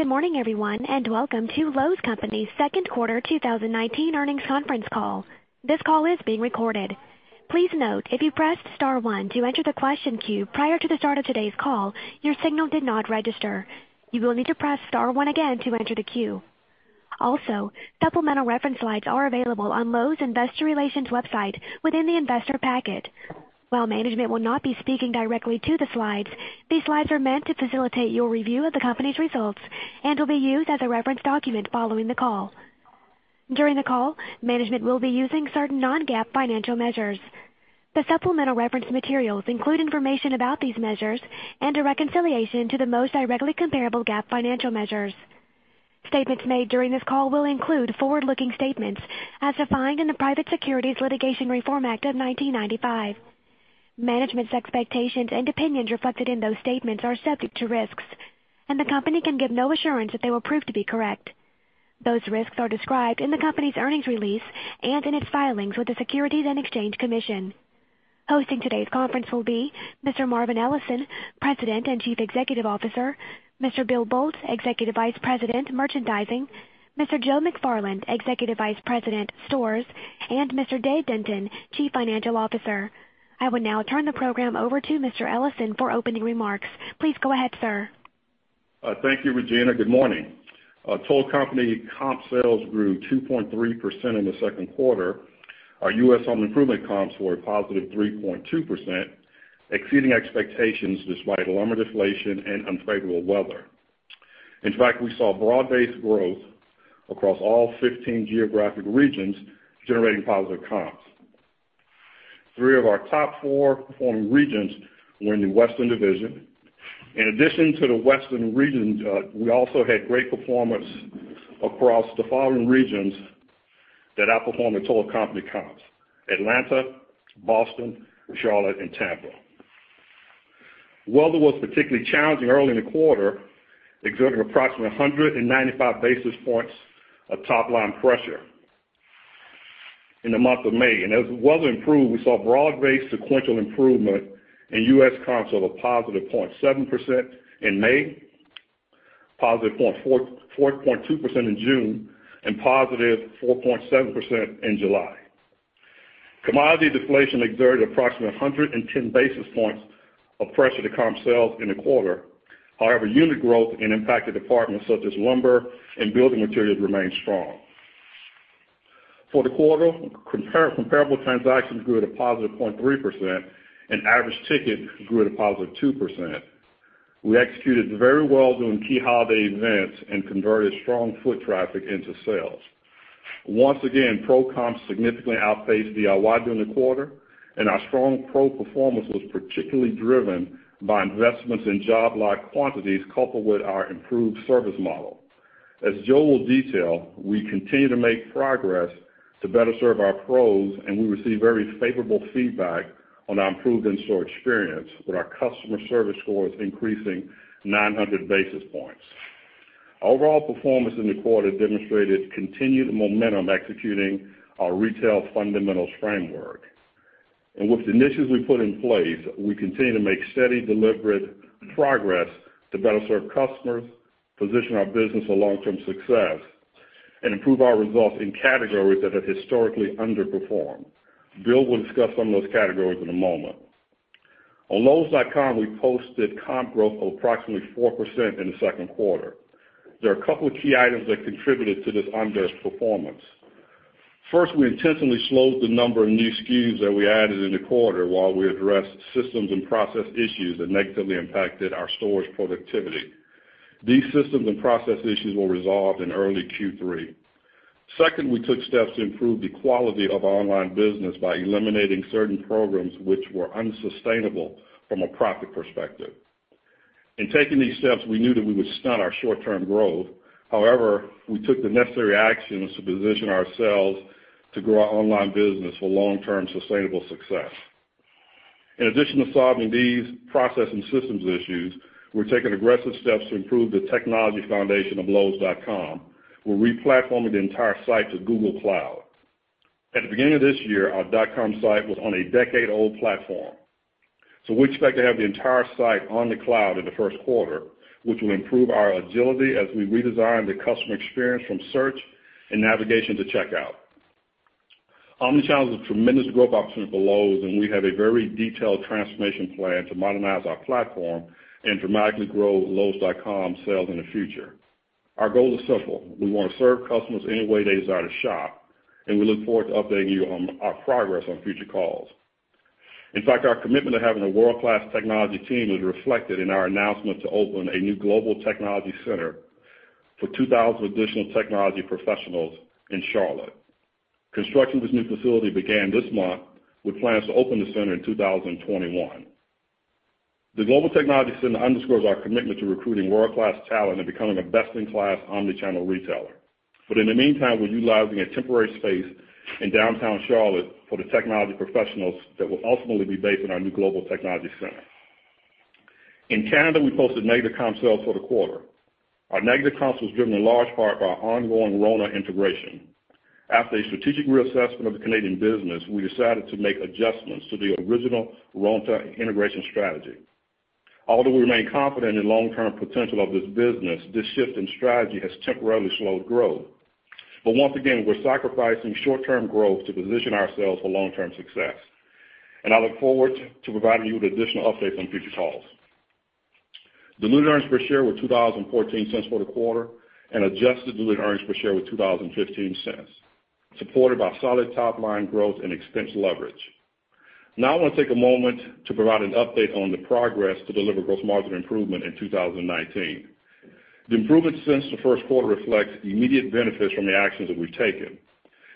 Good morning, everyone, welcome to Lowe's Companies' second quarter 2019 earnings conference call. This call is being recorded. Please note, if you pressed star one to enter the question queue prior to the start of today's call, your signal did not register. You will need to press star one again to enter the queue. Supplemental reference slides are available on Lowe's Investor Relations website within the investor packet. While management will not be speaking directly to the slides, these slides are meant to facilitate your review of the company's results and will be used as a reference document following the call. During the call, management will be using certain non-GAAP financial measures. The supplemental reference materials include information about these measures and a reconciliation to the most directly comparable GAAP financial measures. Statements made during this call will include forward-looking statements as defined in the Private Securities Litigation Reform Act of 1995. Management's expectations and opinions reflected in those statements are subject to risks, and the company can give no assurance that they will prove to be correct. Those risks are described in the company's earnings release and in its filings with the Securities and Exchange Commission. Hosting today's conference will be Mr. Marvin Ellison, President and Chief Executive Officer, Mr. Bill Boltz, Executive Vice President, Merchandising, Mr. Joe McFarland, Executive Vice President, Stores, and Mr. Dave Denton, Chief Financial Officer. I would now turn the program over to Mr. Ellison for opening remarks. Please go ahead, sir. Thank you, Regina. Good morning. Total company comp sales grew 2.3% in the second quarter. Our U.S. home improvement comps were a positive 3.2%, exceeding expectations despite lumber deflation and unfavorable weather. In fact, we saw broad-based growth across all 15 geographic regions, generating positive comps. Three of our top four performing regions were in the Western Division. In addition to the Western region, we also had great performance across the following regions that outperformed the total company comps: Atlanta, Boston, Charlotte, and Tampa. Weather was particularly challenging early in the quarter, exerting approximately 195 basis points of top-line pressure in the month of May. As weather improved, we saw broad-based sequential improvement in U.S. comps of a positive 0.7% in May, positive 4.2% in June, and positive 4.7% in July. Commodity deflation exerted approximately 110 basis points of pressure to comp sales in the quarter. However, unit growth in impacted departments such as lumber and building materials remained strong. For the quarter, comparable transactions grew at a positive 0.3% and average ticket grew at a positive 2%. We executed very well during key holiday events and converted strong foot traffic into sales. Once again, pro comps significantly outpaced DIY during the quarter, and our strong pro performance was particularly driven by investments in job-lot quantities coupled with our improved service model. As Joe will detail, we continue to make progress to better serve our pros, and we receive very favorable feedback on our improved in-store experience with our customer service scores increasing 900 basis points. Overall performance in the quarter demonstrated continued momentum executing our retail fundamentals framework. With the initiatives we put in place, we continue to make steady, deliberate progress to better serve customers, position our business for long-term success, and improve our results in categories that have historically underperformed. Bill will discuss some of those categories in a moment. On lowes.com, we posted comp growth of approximately 4% in the second quarter. There are a couple of key items that contributed to this underperformance. First, we intentionally slowed the number of new SKUs that we added in the quarter while we addressed systems and process issues that negatively impacted our store's productivity. These systems and process issues were resolved in early Q3. Second, we took steps to improve the quality of our online business by eliminating certain programs which were unsustainable from a profit perspective. In taking these steps, we knew that we would stunt our short-term growth. We took the necessary actions to position ourselves to grow our online business for long-term sustainable success. In addition to solving these process and systems issues, we're taking aggressive steps to improve the technology foundation of lowes.com. We're re-platforming the entire site to Google Cloud. At the beginning of this year, our .com site was on a decade-old platform. We expect to have the entire site on the cloud in the first quarter, which will improve our agility as we redesign the customer experience from search and navigation to checkout. Omnichannel is a tremendous growth option for Lowe's, and we have a very detailed transformation plan to modernize our platform and dramatically grow lowes.com sales in the future. Our goal is simple. We want to serve customers any way they desire to shop, and we look forward to updating you on our progress on future calls. In fact, our commitment to having a world-class technology team is reflected in our announcement to open a new global technology center for 2,000 additional technology professionals in Charlotte. Construction of this new facility began this month, with plans to open the center in 2021. The global technology center underscores our commitment to recruiting world-class talent and becoming a best-in-class omnichannel retailer. In the meantime, we're utilizing a temporary space in downtown Charlotte for the technology professionals that will ultimately be based in our new global technology center. In Canada, we posted negative comp sales for the quarter. Our negative comps was driven in large part by our ongoing RONA integration. After a strategic reassessment of the Canadian business, we decided to make adjustments to the original RONA integration strategy. Although we remain confident in the long-term potential of this business, this shift in strategy has temporarily slowed growth. Once again, we're sacrificing short-term growth to position ourselves for long-term success, and I look forward to providing you with additional updates on future calls. Diluted earnings per share were $2.14 for the quarter and adjusted diluted earnings per share were $2.15, supported by solid top-line growth and expense leverage. I want to take a moment to provide an update on the progress to deliver gross margin improvement in 2019. The improvement since the first quarter reflects the immediate benefits from the actions that we've taken.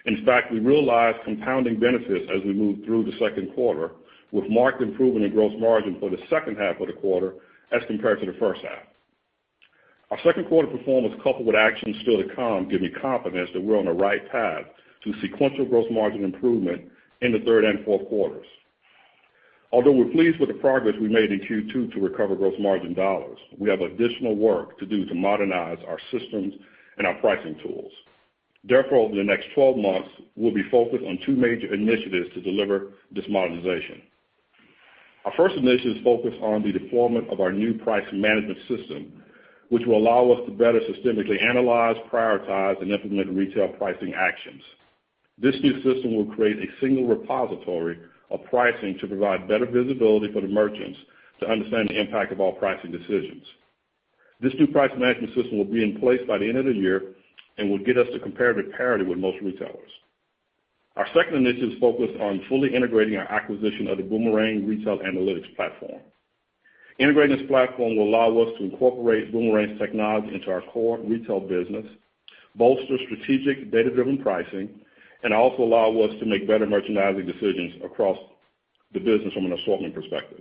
In fact, we realized compounding benefits as we moved through the second quarter, with marked improvement in gross margin for the second half of the quarter as compared to the first half. Our second quarter performance, coupled with actions still to come, give me confidence that we're on the right path to sequential gross margin improvement in the third and fourth quarters. Although we're pleased with the progress we made in Q2 to recover gross margin dollars, we have additional work to do to modernize our systems and our pricing tools. Over the next 12 months, we'll be focused on two major initiatives to deliver this modernization. Our first initiative is focused on the deployment of our new price management system, which will allow us to better systemically analyze, prioritize, and implement retail pricing actions. This new system will create a single repository of pricing to provide better visibility for the merchants to understand the impact of all pricing decisions. This new price management system will be in place by the end of the year and will get us to comparative parity with most retailers. Our second initiative is focused on fully integrating our acquisition of the Boomerang Retail Analytics platform. Integrating this platform will allow us to incorporate Boomerang's technology into our core retail business, bolster strategic data-driven pricing, and also allow us to make better merchandising decisions across the business from an assortment perspective.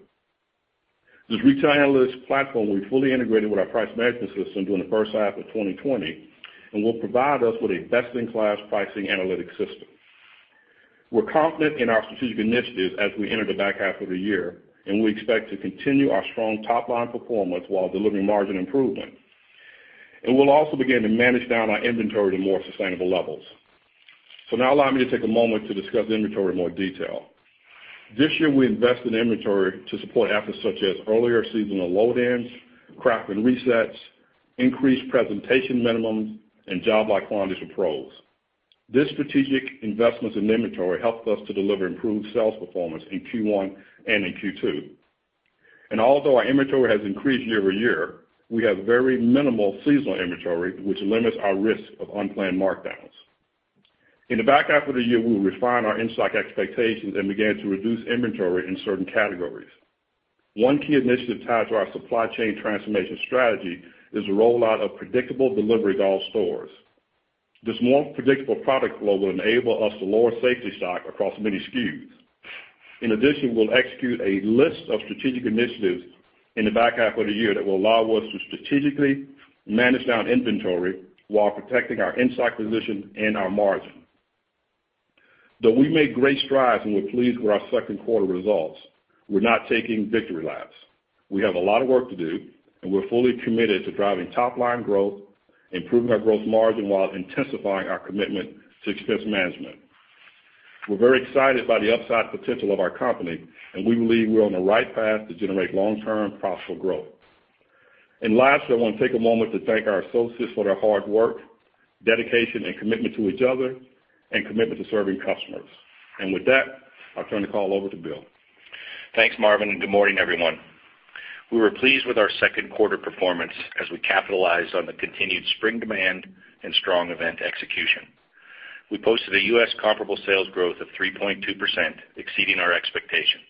This retail analytics platform will be fully integrated with our price management system during the first half of 2020 and will provide us with a best-in-class pricing analytics system. We're confident in our strategic initiatives as we enter the back half of the year, and we expect to continue our strong top-line performance while delivering margin improvement. We'll also begin to manage down our inventory to more sustainable levels. Now allow me to take a moment to discuss inventory in more detail. This year, we invested in inventory to support efforts such as earlier seasonal load-ins, end cap resets, increased presentation minimums, and job-lot quantity approvals. These strategic investments in inventory helped us to deliver improved sales performance in Q1 and in Q2. Although our inventory has increased year-over-year, we have very minimal seasonal inventory, which limits our risk of unplanned markdowns. In the back half of the year, we will refine our in-stock expectations and begin to reduce inventory in certain categories. One key initiative tied to our supply chain transformation strategy is the rollout of predictable delivery to all stores. This more predictable product flow will enable us to lower safety stock across many SKUs. In addition, we'll execute a list of strategic initiatives in the back half of the year that will allow us to strategically manage down inventory while protecting our in-stock position and our margin. Though we made great strides and we're pleased with our second quarter results, we're not taking victory laps. We have a lot of work to do, and we're fully committed to driving top-line growth, improving our gross margin, while intensifying our commitment to expense management. We're very excited by the upside potential of our company, and we believe we're on the right path to generate long-term profitable growth. Last, I want to take a moment to thank our associates for their hard work, dedication, and commitment to each other and commitment to serving customers. With that, I'll turn the call over to Bill Boltz. Thanks, Marvin. Good morning, everyone. We were pleased with our second quarter performance as we capitalized on the continued spring demand and strong event execution. We posted a U.S. comparable sales growth of 3.2%, exceeding our expectation.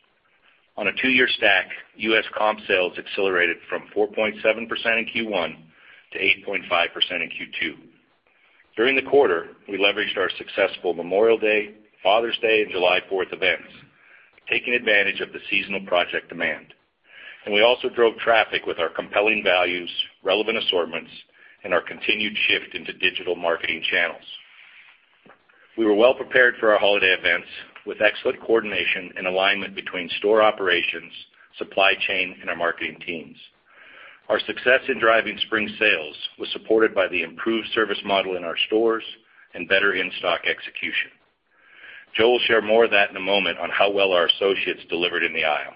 On a two-year stack, U.S. comp sales accelerated from 4.7% in Q1 to 8.5% in Q2. During the quarter, we leveraged our successful Memorial Day, Father's Day, and July 4th events, taking advantage of the seasonal project demand. We also drove traffic with our compelling values, relevant assortments, and our continued shift into digital marketing channels. We were well prepared for our holiday events with excellent coordination and alignment between store operations, supply chain, and our marketing teams. Our success in driving spring sales was supported by the improved service model in our stores and better in-stock execution. Joe will share more of that in a moment on how well our associates delivered in the aisle.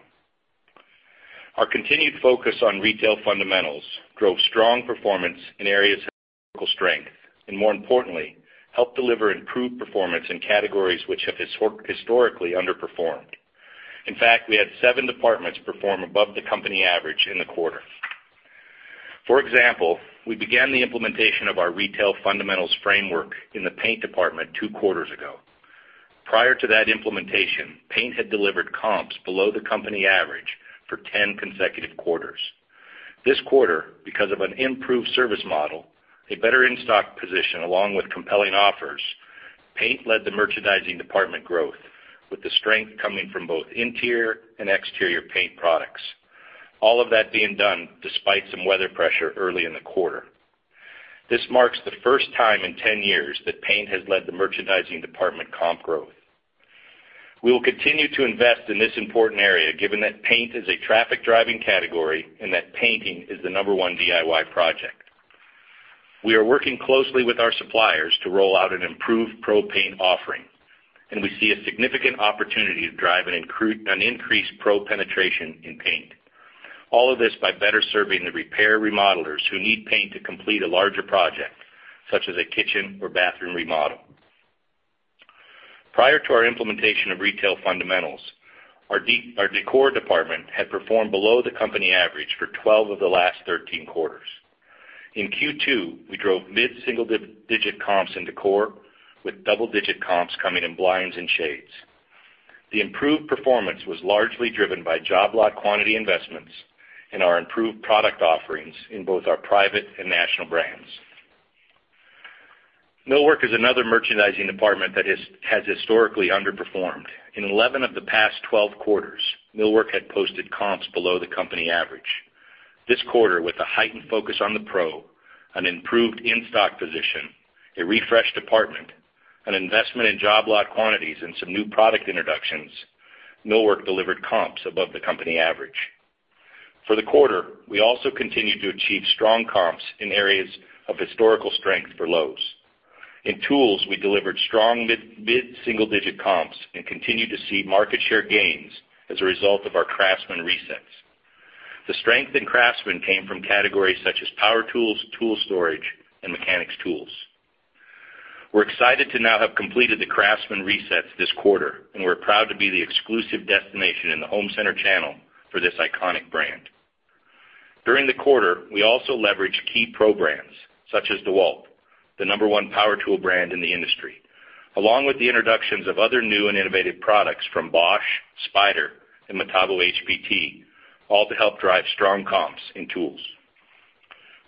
Our continued focus on retail fundamentals drove strong performance in areas of historical strength, and more importantly, helped deliver improved performance in categories which have historically underperformed. In fact, we had seven departments perform above the company average in the quarter. For example, we began the implementation of our retail fundamentals framework in the paint department two quarters ago. Prior to that implementation, paint had delivered comps below the company average for 10 consecutive quarters. This quarter, because of an improved service model, a better in-stock position, along with compelling offers, paint led the merchandising department growth, with the strength coming from both interior and exterior paint products. All of that being done despite some weather pressure early in the quarter. This marks the first time in 10 years that paint has led the merchandising department comp growth. We will continue to invest in this important area, given that paint is a traffic-driving category and that painting is the number 1 DIY project. We are working closely with our suppliers to roll out an improved pro paint offering. We see a significant opportunity to drive an increased pro penetration in paint. All of this by better serving the repair remodelers who need paint to complete a larger project, such as a kitchen or bathroom remodel. Prior to our implementation of retail fundamentals, our decor department had performed below the company average for 12 of the last 13 quarters. In Q2, we drove mid-single-digit comps in decor, with double-digit comps coming in blinds and shades. The improved performance was largely driven by job-lot quantity investments and our improved product offerings in both our private and national brands. Millwork is another merchandising department that has historically underperformed. In 11 of the past 12 quarters, millwork had posted comps below the company average. This quarter, with a heightened focus on the pro, an improved in-stock position, a refreshed department, an investment in job-lot quantities, and some new product introductions, millwork delivered comps above the company average. For the quarter, we also continued to achieve strong comps in areas of historical strength for Lowe's. In tools, we delivered strong mid-single-digit comps and continue to see market share gains as a result of our Craftsman resets. The strength in Craftsman came from categories such as power tools, tool storage, and mechanics tools. We're excited to now have completed the Craftsman resets this quarter, and we're proud to be the exclusive destination in the home center channel for this iconic brand. During the quarter, we also leveraged key pro brands such as DeWalt, the number 1 power tool brand in the industry, along with the introductions of other new and innovative products from Bosch, Spyder, and Metabo HPT, all to help drive strong comps in tools.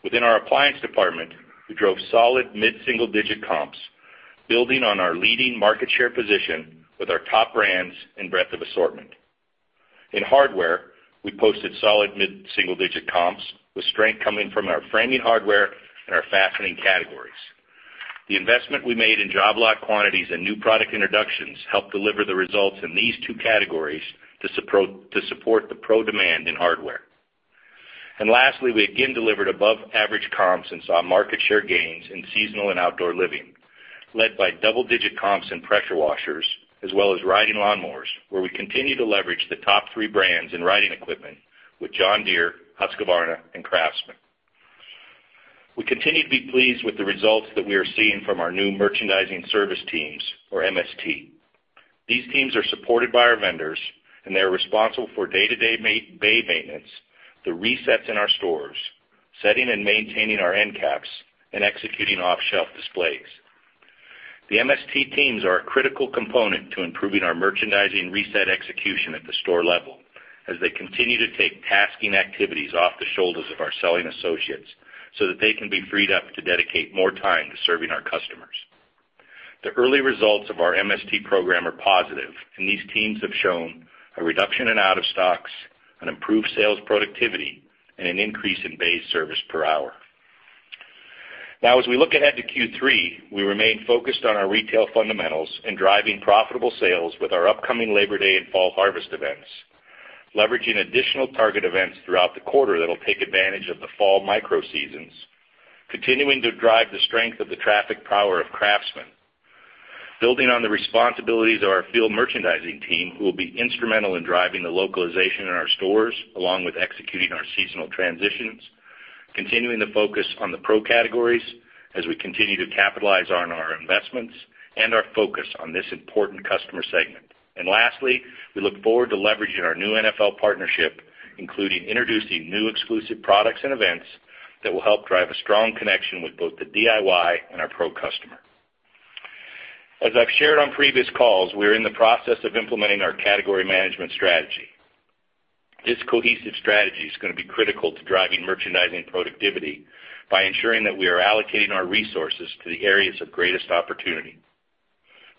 Within our appliance department, we drove solid mid-single-digit comps, building on our leading market share position with our top brands and breadth of assortment. In hardware, we posted solid mid-single-digit comps, with strength coming from our framing hardware and our fastening categories. The investment we made in job lot quantities and new product introductions helped deliver the results in these 2 categories to support the pro demand in hardware. Lastly, we again delivered above-average comps and saw market share gains in seasonal and outdoor living, led by double-digit comps in pressure washers as well as riding lawn mowers, where we continue to leverage the top three brands in riding equipment with John Deere, Husqvarna, and Craftsman. We continue to be pleased with the results that we are seeing from our new merchandising service teams or MST. These teams are supported by our vendors, they are responsible for day-to-day bay maintenance, the resets in our stores, setting and maintaining our end caps, and executing off-shelf displays. The MST teams are a critical component to improving our merchandising reset execution at the store level as they continue to take tasking activities off the shoulders of our selling associates so that they can be freed up to dedicate more time to serving our customers. The early results of our MST program are positive. These teams have shown a reduction in out-of-stocks, an improved sales productivity, and an increase in bay service per hour. As we look ahead to Q3, we remain focused on our retail fundamentals and driving profitable sales with our upcoming Labor Day and Fall Harvest events, leveraging additional target events throughout the quarter that'll take advantage of the fall micro-seasons, continuing to drive the strength of the traffic power of Craftsman, building on the responsibilities of our field merchandising team, who will be instrumental in driving the localization in our stores along with executing our seasonal transitions, continuing to focus on the pro categories as we continue to capitalize on our investments and our focus on this important customer segment. Lastly, we look forward to leveraging our new NFL partnership, including introducing new exclusive products and events that will help drive a strong connection with both the DIY and our pro customer. As I've shared on previous calls, we are in the process of implementing our category management strategy. This cohesive strategy is going to be critical to driving merchandising productivity by ensuring that we are allocating our resources to the areas of greatest opportunity.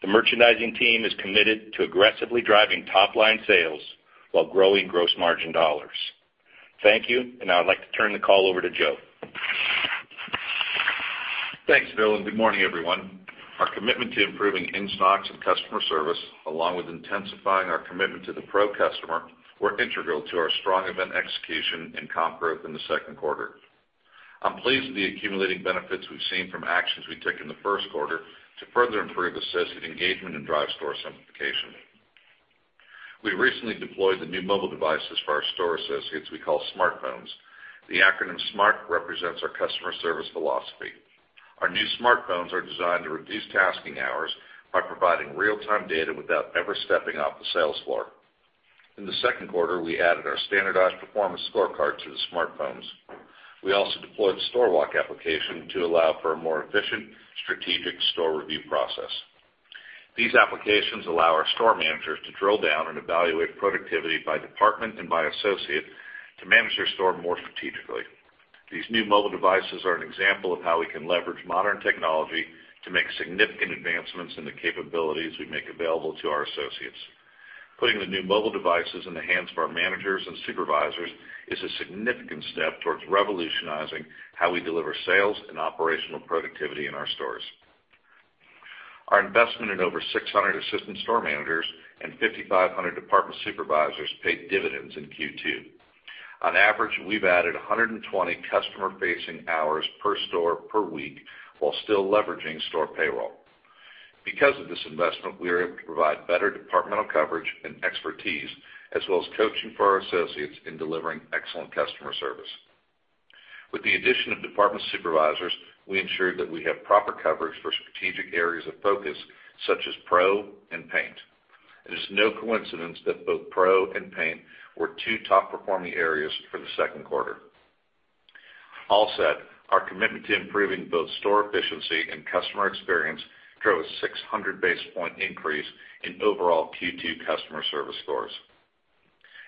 The merchandising team is committed to aggressively driving top-line sales while growing gross margin dollars. Thank you. Now I'd like to turn the call over to Joe. Thanks, Bill, and good morning, everyone. Our commitment to improving in-stocks and customer service, along with intensifying our commitment to the pro customer, were integral to our strong event execution and comp growth in the second quarter. I'm pleased with the accumulating benefits we've seen from actions we took in the first quarter to further improve associate engagement and drive store simplification. We recently deployed the new mobile devices for our store associates we call SMART phones. The acronym SMART represents our customer service philosophy. Our new SMART phones are designed to reduce tasking hours by providing real-time data without ever stepping off the sales floor. In the second quarter, we added our standardized performance scorecard to the SMART phones. We also deployed the Store Walk application to allow for a more efficient strategic store review process. These applications allow our store managers to drill down and evaluate productivity by department and by associate to manage their store more strategically. These new mobile devices are an example of how we can leverage modern technology to make significant advancements in the capabilities we make available to our associates. Putting the new mobile devices in the hands of our managers and supervisors is a significant step towards revolutionizing how we deliver sales and operational productivity in our stores. Our investment in over 600 assistant store managers and 5,500 department supervisors paid dividends in Q2. On average, we've added 120 customer-facing hours per store per week while still leveraging store payroll. Because of this investment, we are able to provide better departmental coverage and expertise, as well as coaching for our associates in delivering excellent customer service. With the addition of department supervisors, we ensure that we have proper coverage for strategic areas of focus such as pro and paint. It is no coincidence that both pro and paint were two top-performing areas for the second quarter. All said, our commitment to improving both store efficiency and customer experience drove a 600 basis point increase in overall Q2 customer service scores.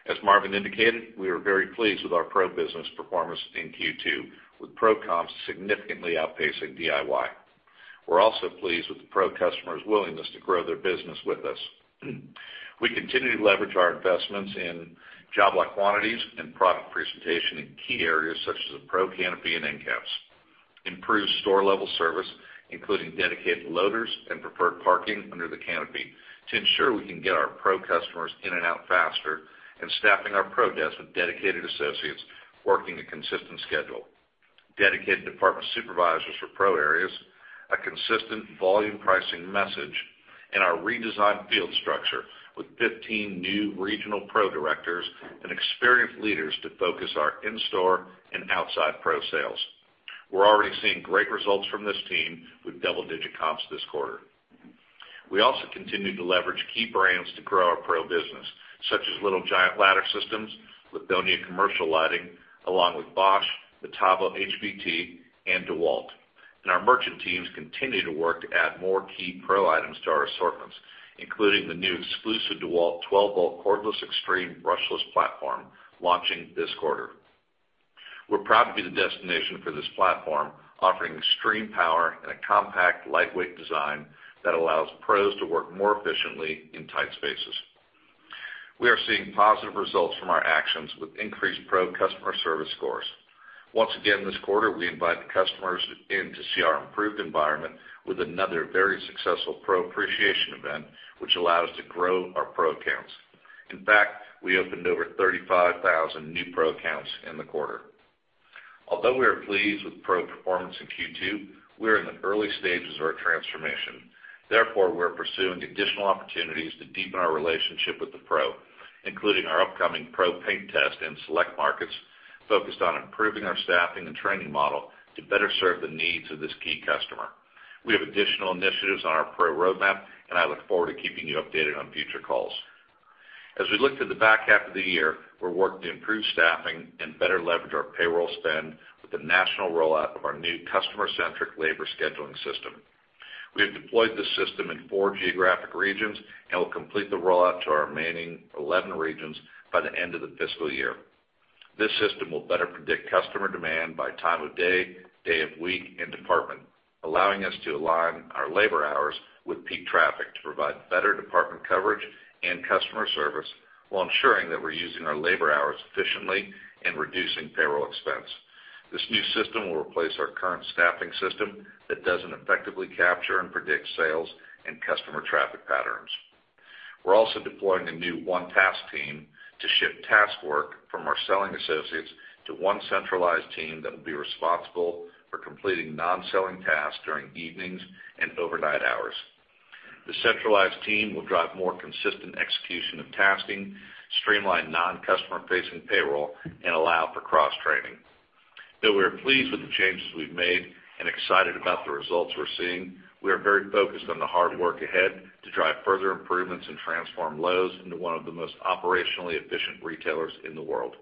As Marvin indicated, we are very pleased with our pro business performance in Q2, with pro comps significantly outpacing DIY. We're also pleased with the pro customers' willingness to grow their business with us. We continue to leverage our investments in job lot quantities and product presentation in key areas such as the pro canopy and end caps. Improved store-level service, including dedicated loaders and preferred parking under the canopy to ensure we can get our pro customers in and out faster, and staffing our pro desk with dedicated associates working a consistent schedule. Dedicated department supervisors for pro areas, a consistent volume pricing message, and our redesigned field structure with 15 new regional pro directors and experienced leaders to focus our in-store and outside pro sales. We're already seeing great results from this team with double-digit comps this quarter. We also continue to leverage key brands to grow our pro business, such as Little Giant Ladder Systems, Lithonia Commercial Lighting, along with Bosch, Metabo HPT, and DeWalt. Our merchant teams continue to work to add more key pro items to our assortments, including the new exclusive DeWalt 12-volt Cordless Extreme Brushless platform launching this quarter. We're proud to be the destination for this platform, offering extreme power and a compact, lightweight design that allows pros to work more efficiently in tight spaces. We are seeing positive results from our actions with increased pro customer service scores. Once again this quarter, we invited customers in to see our improved environment with another very successful pro appreciation event, which allowed us to grow our pro accounts. In fact, we opened over 35,000 new pro accounts in the quarter. Although we are pleased with pro performance in Q2, we are in the early stages of our transformation. Therefore, we are pursuing additional opportunities to deepen our relationship with the pro, including our upcoming pro paint test in select markets focused on improving our staffing and training model to better serve the needs of this key customer. We have additional initiatives on our pro roadmap, and I look forward to keeping you updated on future calls. As we look to the back half of the year, we're working to improve staffing and better leverage our payroll spend with the national rollout of our new customer-centric labor scheduling system. We have deployed this system in four geographic regions and will complete the rollout to our remaining 11 regions by the end of the fiscal year. This system will better predict customer demand by time of day of week, and department, allowing us to align our labor hours with peak traffic to provide better department coverage and customer service while ensuring that we're using our labor hours efficiently and reducing payroll expense. This new system will replace our current staffing system that doesn't effectively capture and predict sales and customer traffic patterns. We're also deploying a new One Task Team to ship task work from our selling associates to one centralized team that will be responsible for completing non-selling tasks during evenings and overnight hours. The centralized team will drive more consistent execution of tasking, streamline non-customer-facing payroll, and allow for cross-training. Though we are pleased with the changes we've made and excited about the results we're seeing, we are very focused on the hard work ahead to drive further improvements and transform Lowe's into one of the most operationally efficient retailers in the world.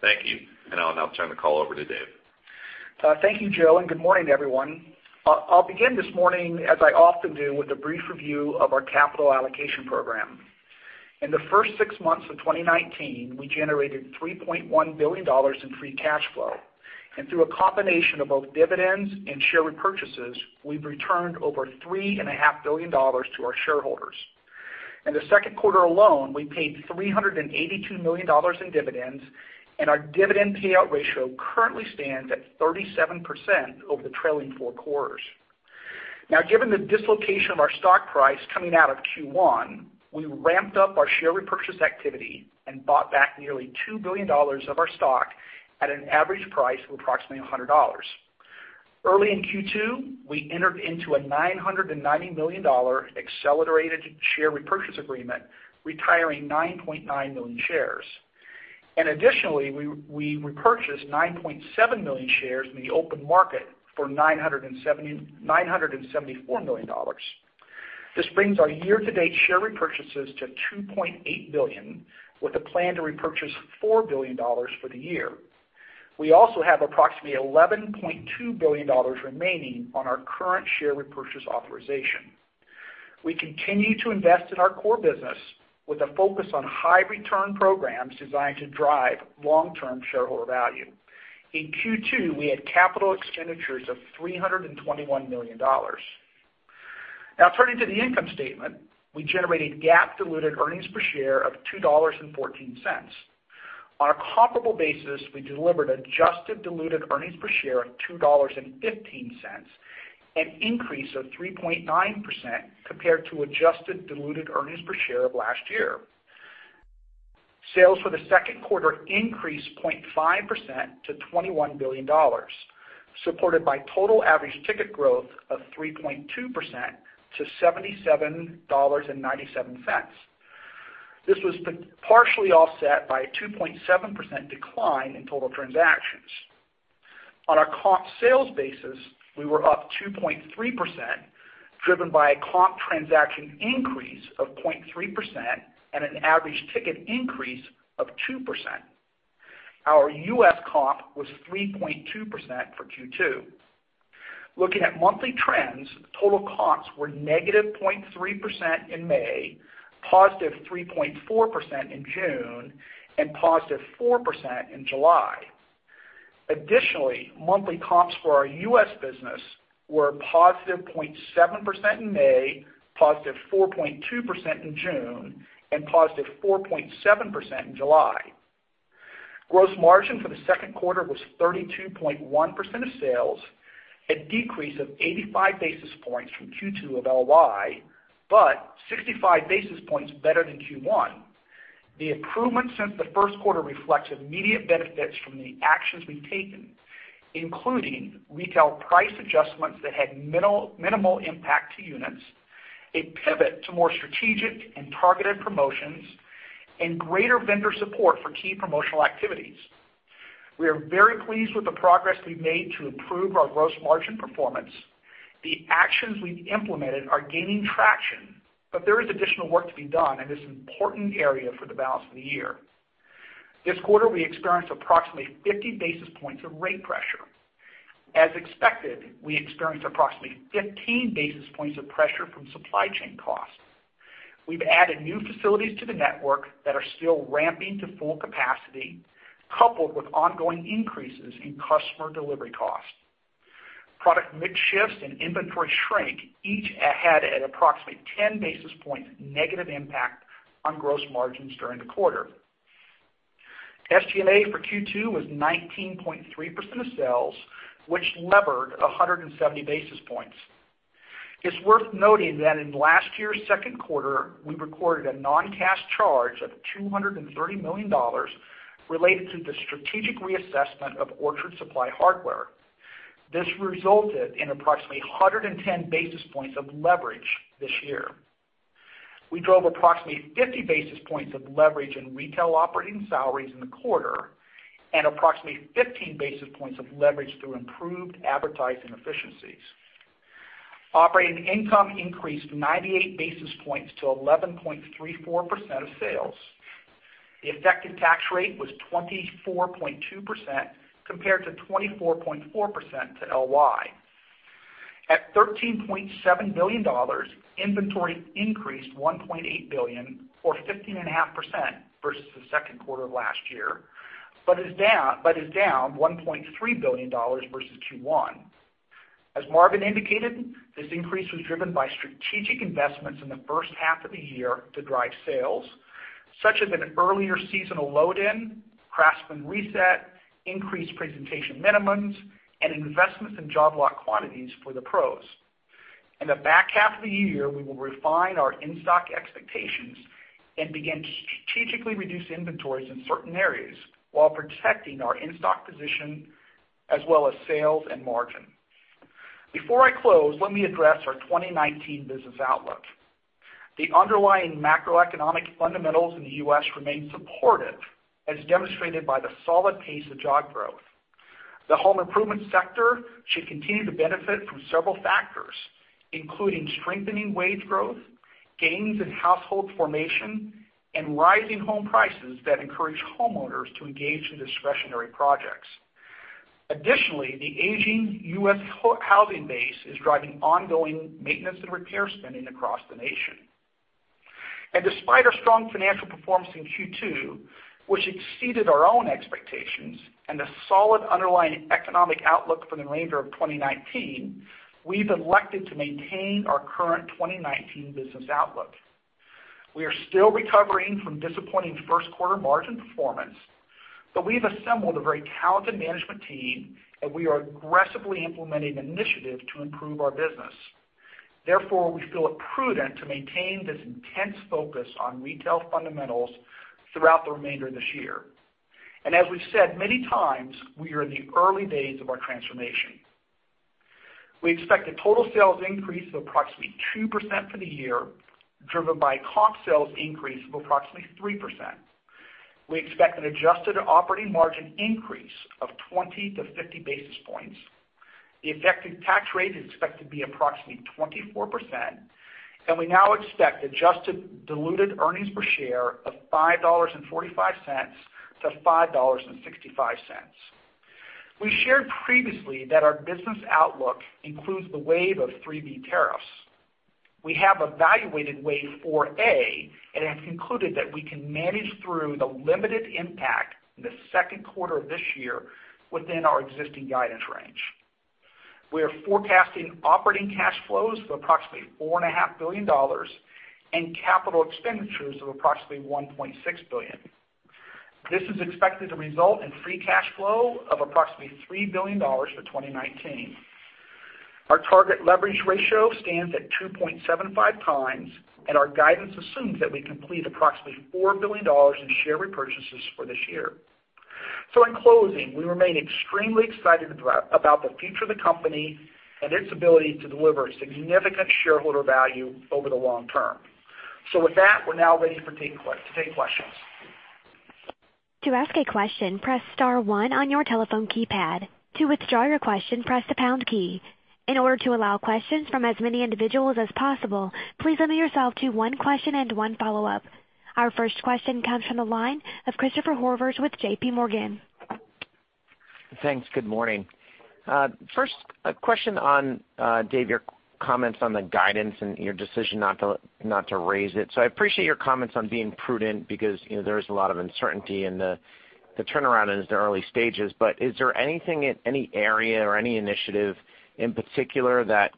Thank you. I'll now turn the call over to Dave. Thank you, Joe. Good morning, everyone. I'll begin this morning, as I often do, with a brief review of our capital allocation program. In the first six months of 2019, we generated $3.1 billion in free cash flow. Through a combination of both dividends and share repurchases, we've returned over $3.5 billion to our shareholders. In the second quarter alone, we paid $382 million in dividends, and our dividend payout ratio currently stands at 37% over the trailing four quarters. Given the dislocation of our stock price coming out of Q1, we ramped up our share repurchase activity and bought back nearly $2 billion of our stock at an average price of approximately $100. Early in Q2, we entered into a $990 million accelerated share repurchase agreement, retiring 9.9 million shares. Additionally, we repurchased 9.7 million shares in the open market for $974 million. This brings our year-to-date share repurchases to $2.8 billion, with a plan to repurchase $4 billion for the year. We also have approximately $11.2 billion remaining on our current share repurchase authorization. We continue to invest in our core business with a focus on high-return programs designed to drive long-term shareholder value. In Q2, we had capital expenditures of $321 million. Now turning to the income statement, we generated GAAP diluted earnings per share of $2.14. On a comparable basis, we delivered adjusted diluted earnings per share of $2.15, an increase of 3.9% compared to adjusted diluted earnings per share of last year. Sales for the second quarter increased 0.5% to $21 billion, supported by total average ticket growth of 3.2% to $77.97. This was partially offset by a 2.7% decline in total transactions. On our comp sales basis, we were up 2.3%, driven by a comp transaction increase of 0.3% and an average ticket increase of 2%. Our U.S. comp was 3.2% for Q2. Looking at monthly trends, total comps were negative 0.3% in May, positive 3.4% in June, and positive 4% in July. Additionally, monthly comps for our U.S. business were positive 0.7% in May, positive 4.2% in June, and positive 4.7% in July. Gross margin for the second quarter was 32.1% of sales, a decrease of 85 basis points from Q2 of LY, but 65 basis points better than Q1. The improvement since the first quarter reflects immediate benefits from the actions we've taken, including retail price adjustments that had minimal impact to units, a pivot to more strategic and targeted promotions, and greater vendor support for key promotional activities. We are very pleased with the progress we've made to improve our gross margin performance. The actions we've implemented are gaining traction, but there is additional work to be done in this important area for the balance of the year. This quarter, we experienced approximately 50 basis points of rate pressure. As expected, we experienced approximately 15 basis points of pressure from supply chain costs. We've added new facilities to the network that are still ramping to full capacity, coupled with ongoing increases in customer delivery costs. Product mix shifts and inventory shrink each had an approximately 10 basis point negative impact on gross margins during the quarter. SG&A for Q2 was 19.3% of sales, which levered 170 basis points. It's worth noting that in last year's second quarter, we recorded a non-cash charge of $230 million related to the strategic reassessment of Orchard Supply Hardware. This resulted in approximately 110 basis points of leverage this year. We drove approximately 50 basis points of leverage in retail operating salaries in the quarter and approximately 15 basis points of leverage through improved advertising efficiencies. Operating income increased 98 basis points to 11.34% of sales. The effective tax rate was 24.2%, compared to 24.4% to LY. At $13.7 billion, inventory increased $1.8 billion or 15.5% versus the second quarter of last year, but is down $1.3 billion versus Q1. As Marvin indicated, this increase was driven by strategic investments in the first half of the year to drive sales, such as an earlier seasonal load in, Craftsman reset, increased presentation minimums, and investments in job lot quantities for the pros. In the back half of the year, we will refine our in-stock expectations and begin to strategically reduce inventories in certain areas while protecting our in-stock position as well as sales and margin. Before I close, let me address our 2019 business outlook. The underlying macroeconomic fundamentals in the U.S. remain supportive, as demonstrated by the solid pace of job growth. The home improvement sector should continue to benefit from several factors, including strengthening wage growth, gains in household formation, and rising home prices that encourage homeowners to engage in discretionary projects. Additionally, the aging U.S. housing base is driving ongoing maintenance and repair spending across the nation. Despite our strong financial performance in Q2, which exceeded our own expectations, and a solid underlying economic outlook for the remainder of 2019, we've elected to maintain our current 2019 business outlook. We are still recovering from disappointing first-quarter margin performance, but we've assembled a very talented management team, and we are aggressively implementing initiatives to improve our business. Therefore, we feel it prudent to maintain this intense focus on retail fundamentals throughout the remainder of this year. As we've said many times, we are in the early days of our transformation. We expect a total sales increase of approximately 2% for the year, driven by comp sales increase of approximately 3%. We expect an adjusted operating margin increase of 20 to 50 basis points. The effective tax rate is expected to be approximately 24%, and we now expect adjusted diluted earnings per share of $5.45 to $5.65. We shared previously that our business outlook includes the wave of 3B tariffs. We have evaluated Wave 4A and have concluded that we can manage through the limited impact in the second quarter of this year within our existing guidance range. We are forecasting operating cash flows of approximately $4.5 billion and capital expenditures of approximately $1.6 billion. This is expected to result in free cash flow of approximately $3 billion for 2019. Our target leverage ratio stands at 2.75 times, and our guidance assumes that we complete approximately $4 billion in share repurchases for this year. In closing, we remain extremely excited about the future of the company and its ability to deliver significant shareholder value over the long term. With that, we're now ready to take questions. To ask a question, press *1 on your telephone keypad. To withdraw your question, press the # key. In order to allow questions from as many individuals as possible, please limit yourself to one question and one follow-up. Our first question comes from the line of Christopher Horvers with JPMorgan. Thanks. Good morning. First, a question on, Dave, your comments on the guidance and your decision not to raise it. I appreciate your comments on being prudent because there is a lot of uncertainty, and the turnaround is in the early stages. Is there anything, any area or any initiative in particular that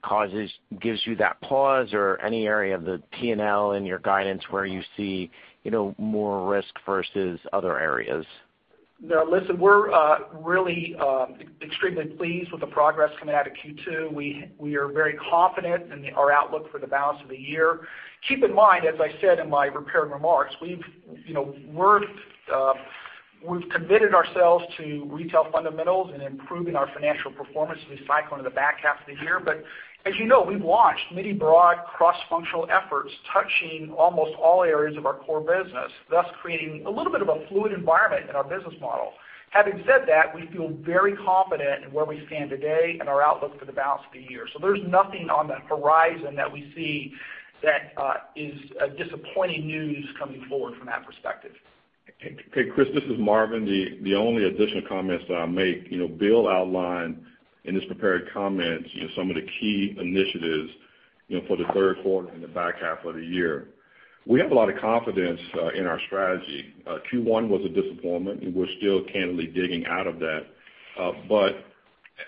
gives you that pause or any area of the P&L in your guidance where you see more risk versus other areas? Listen, we're really extremely pleased with the progress coming out of Q2. We are very confident in our outlook for the balance of the year. Keep in mind, as I said in my prepared remarks, we've committed ourselves to retail fundamentals and improving our financial performance this cycle in the back half of the year. As you know, we've launched many broad cross-functional efforts touching almost all areas of our core business, thus creating a little bit of a fluid environment in our business model. Having said that, we feel very confident in where we stand today and our outlook for the balance of the year. There's nothing on the horizon that we see that is disappointing news coming forward from that perspective. Hey, Christopher, this is Marvin. The only additional comments that I'll make, Bill outlined in his prepared comments some of the key initiatives for the third quarter and the back half of the year. We have a lot of confidence in our strategy. Q1 was a disappointment, and we're still candidly digging out of that.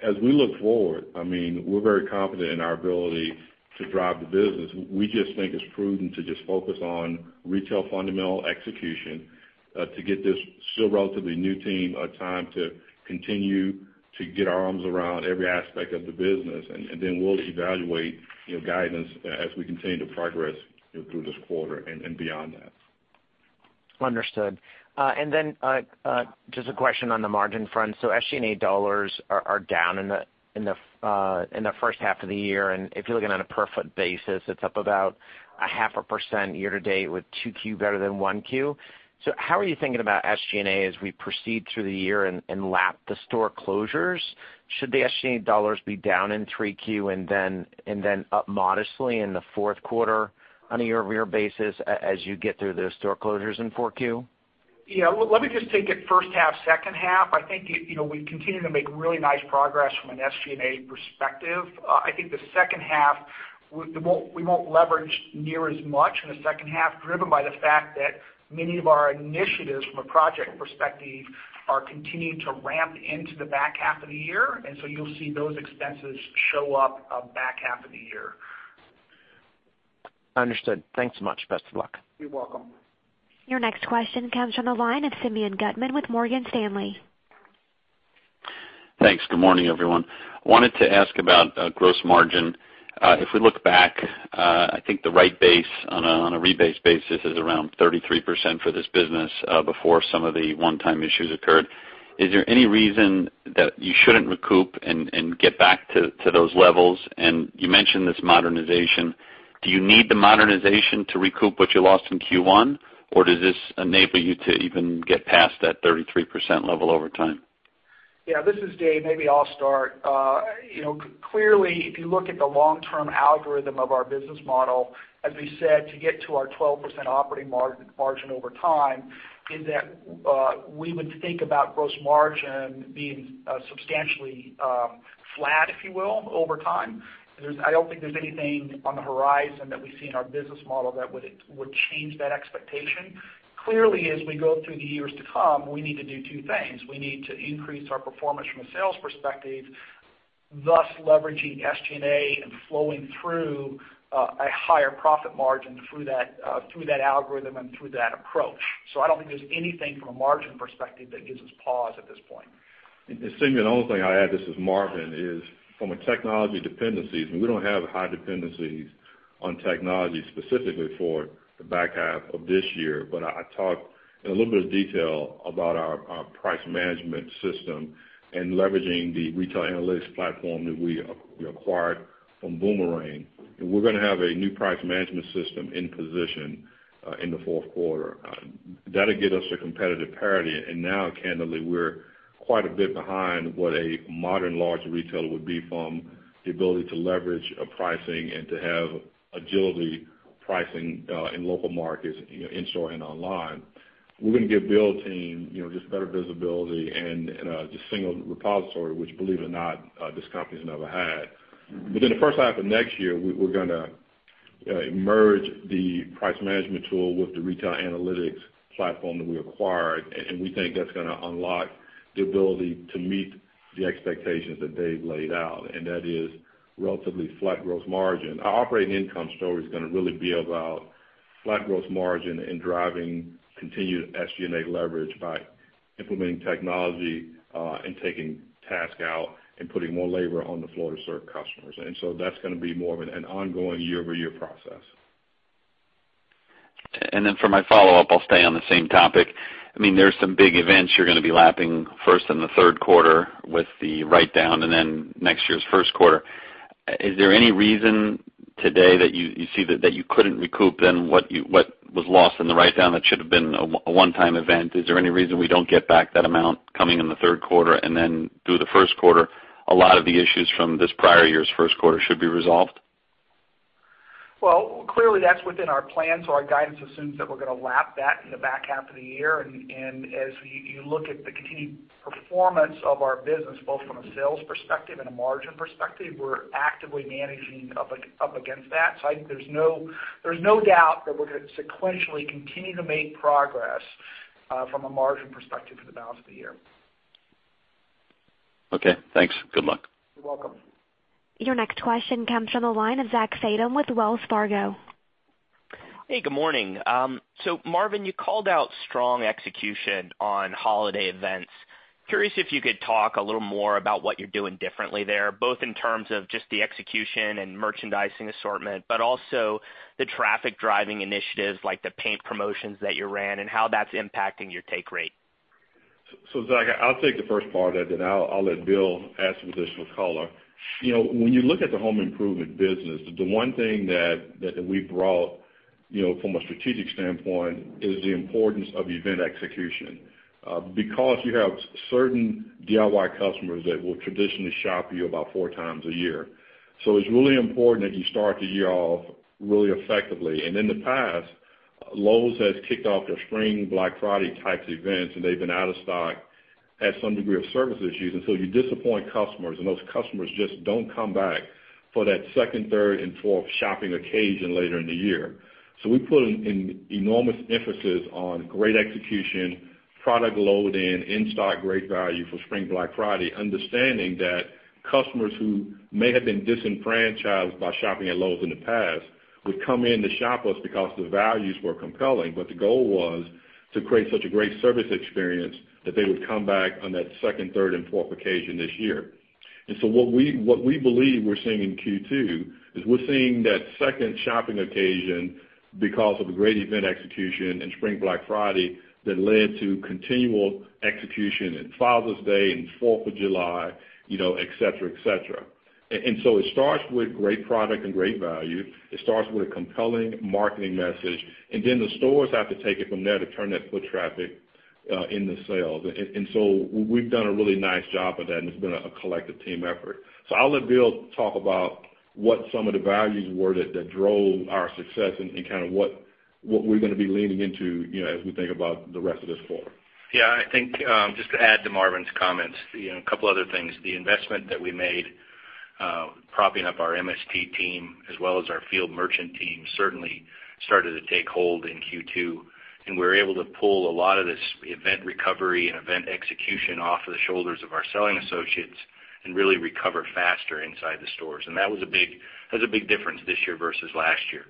As we look forward, we're very confident in our ability to drive the business. We just think it's prudent to just focus on retail fundamental execution to get this still relatively new team a time to continue to get our arms around every aspect of the business. We'll evaluate guidance as we continue to progress through this quarter and beyond that. Understood. Just a question on the margin front. SG&A dollars are down in the first half of the year, and if you're looking on a per-foot basis, it's up about a half a percent year to date with two Q better than one Q. How are you thinking about SG&A as we proceed through the year and lap the store closures? Should the SG&A dollars be down in three Q and then up modestly in the fourth quarter on a year-over-year basis as you get through those store closures in four Q? Yeah. Let me just take it first half, second half. I think we continue to make really nice progress from an SG&A perspective. I think the second half, we won't leverage near as much in the second half, driven by the fact that many of our initiatives from a project perspective are continuing to ramp into the back half of the year. You'll see those expenses show up back half of the year. Understood. Thanks so much. Best of luck. You're welcome. Your next question comes from the line of Simeon Gutman with Morgan Stanley. Thanks. Good morning, everyone. If we look back, I think the right base on a rebased basis is around 33% for this business before some of the one-time issues occurred. Is there any reason that you shouldn't recoup and get back to those levels? You mentioned this modernization. Do you need the modernization to recoup what you lost in Q1, or does this enable you to even get past that 33% level over time? This is Dave. Maybe I'll start. Clearly, if you look at the long-term algorithm of our business model, as we said, to get to our 12% operating margin over time, is that we would think about gross margin being substantially flat, if you will, over time. I don't think there's anything on the horizon that we see in our business model that would change that expectation. Clearly, as we go through the years to come, we need to do two things. We need to increase our performance from a sales perspective, thus leveraging SG&A and flowing through a higher profit margin through that algorithm and through that approach. I don't think there's anything from a margin perspective that gives us pause at this point. Simeon, the only thing I add, this is Marvin, is from a technology dependencies, we don't have high dependencies on technology specifically for the back half of this year. I talked in a little bit of detail about our price management system and leveraging the retail analytics platform that we acquired from Boomerang. We're going to have a new price management system in position in the fourth quarter. That'll get us to competitive parity. Now, candidly, we're quite a bit behind what a modern large retailer would be from the ability to leverage pricing and to have agilityPricing in local markets, in-store and online. We're going to give Bill's team just better visibility and just single repository, which believe it or not, this company's never had. The first half of next year, we're going to merge the price management tool with the Retail Analytics platform that we acquired, and we think that's going to unlock the ability to meet the expectations that Dave laid out, and that is relatively flat gross margin. Our operating income story is going to really be about flat gross margin and driving continued SG&A leverage by implementing technology, and taking task out and putting more labor on the floor to serve customers. That's going to be more of an ongoing year-over-year process. For my follow-up, I'll stay on the same topic. There's some big events you're going to be lapping first in the third quarter with the write-down and then next year's first quarter. Is there any reason today that you see that you couldn't recoup then what was lost in the write-down that should have been a one-time event? Is there any reason we don't get back that amount coming in the third quarter and then through the first quarter, a lot of the issues from this prior year's first quarter should be resolved? Well, clearly that's within our plan. Our guidance assumes that we're going to lap that in the back half of the year. As you look at the continued performance of our business, both from a sales perspective and a margin perspective, we're actively managing up against that. I think there's no doubt that we're going to sequentially continue to make progress from a margin perspective for the balance of the year. Okay, thanks. Good luck. You're welcome. Your next question comes from the line of Zachary Fadem with Wells Fargo. Hey, good morning. Marvin, you called out strong execution on holiday events. Curious if you could talk a little more about what you're doing differently there, both in terms of just the execution and merchandising assortment, but also the traffic-driving initiatives like the paint promotions that you ran and how that's impacting your take rate. Zach, I'll take the first part of that, then I'll let Bill add some additional color. You look at the home improvement business, the one thing that we've brought from a strategic standpoint is the importance of event execution. You have certain DIY customers that will traditionally shop you about four times a year. It's really important that you start the year off really effectively. In the past, Lowe's has kicked off their Spring Black Friday types events, and they've been out of stock, had some degree of service issues, and so you disappoint customers, and those customers just don't come back for that second, third, and fourth shopping occasion later in the year. We put an enormous emphasis on great execution, product load in-stock, great value for Spring Black Friday, understanding that customers who may have been disenfranchised by shopping at Lowe's in the past would come in to shop us because the values were compelling. The goal was to create such a great service experience that they would come back on that second, third, and fourth occasion this year. What we believe we're seeing in Q2 is we're seeing that second shopping occasion because of the great event execution in Spring Black Friday that led to continual execution in Father's Day and 4th of July, et cetera. It starts with great product and great value. It starts with a compelling marketing message, and then the stores have to take it from there to turn that foot traffic into sales. We've done a really nice job of that, and it's been a collective team effort. I'll let Bill talk about what some of the values were that drove our success and kind of what we're going to be leaning into as we think about the rest of this quarter. Yeah, I think, just to add to Marvin's comments, a couple other things. The investment that we made propping up our MST team as well as our field merchant team certainly started to take hold in Q2, and we were able to pull a lot of this event recovery and event execution off of the shoulders of our selling associates and really recover faster inside the stores. That was a big difference this year versus last year.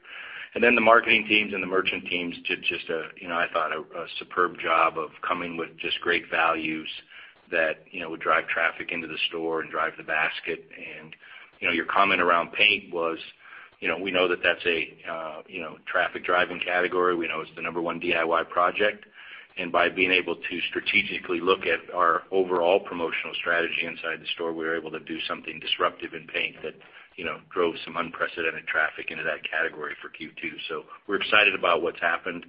Then the marketing teams and the merchant teams did just a, I thought, a superb job of coming with just great values that would drive traffic into the store and drive the basket. Your comment around paint was, we know that that's a traffic-driving category. We know it's the number one DIY project. By being able to strategically look at our overall promotional strategy inside the store, we were able to do something disruptive in paint that drove some unprecedented traffic into that category for Q2. We're excited about what's happened.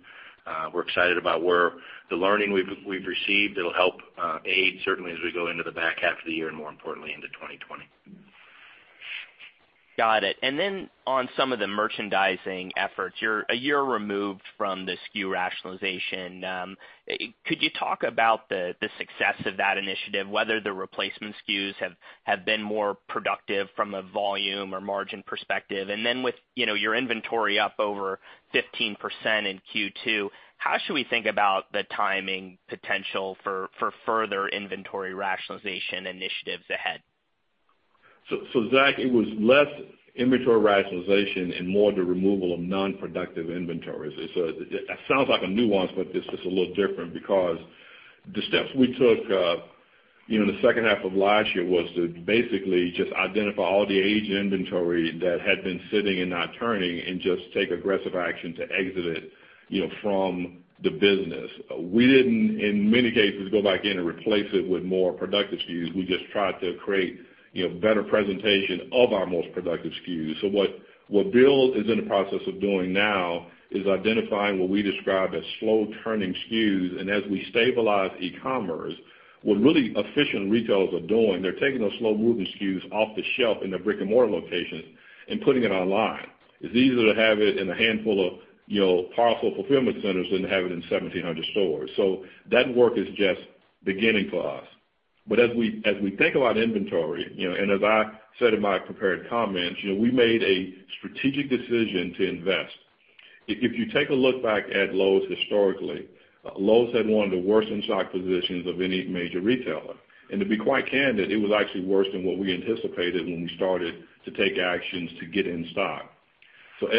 We're excited about where the learning we've received. It'll help aid certainly as we go into the back half of the year and more importantly into 2020. Got it. On some of the merchandising efforts, you're a year removed from the SKU rationalization. Could you talk about the success of that initiative, whether the replacement SKUs have been more productive from a volume or margin perspective? With your inventory up over 15% in Q2, how should we think about the timing potential for further inventory rationalization initiatives ahead? Zach, it was less inventory rationalization and more the removal of non-productive inventories. It sounds like a nuance, but it's just a little different because the steps we took the second half of last year was to basically just identify all the aged inventory that had been sitting and not turning and just take aggressive action to exit it from the business. We didn't, in many cases, go back in and replace it with more productive SKUs. We just tried to create better presentation of our most productive SKUs. What Bill is in the process of doing now is identifying what we describe as slow-turning SKUs. As we stabilize e-commerce, what really efficient retailers are doing, they're taking those slow-moving SKUs off the shelf in their brick-and-mortar locations and putting it online. It's easier to have it in a handful of powerful fulfillment centers than to have it in 1,700 stores. That work is just beginning for us. As we think about inventory, and as I said in my prepared comments, we made a strategic decision to invest. If you take a look back at Lowe's historically, Lowe's had one of the worst in-stock positions of any major retailer. To be quite candid, it was actually worse than what we anticipated when we started to take actions to get in stock.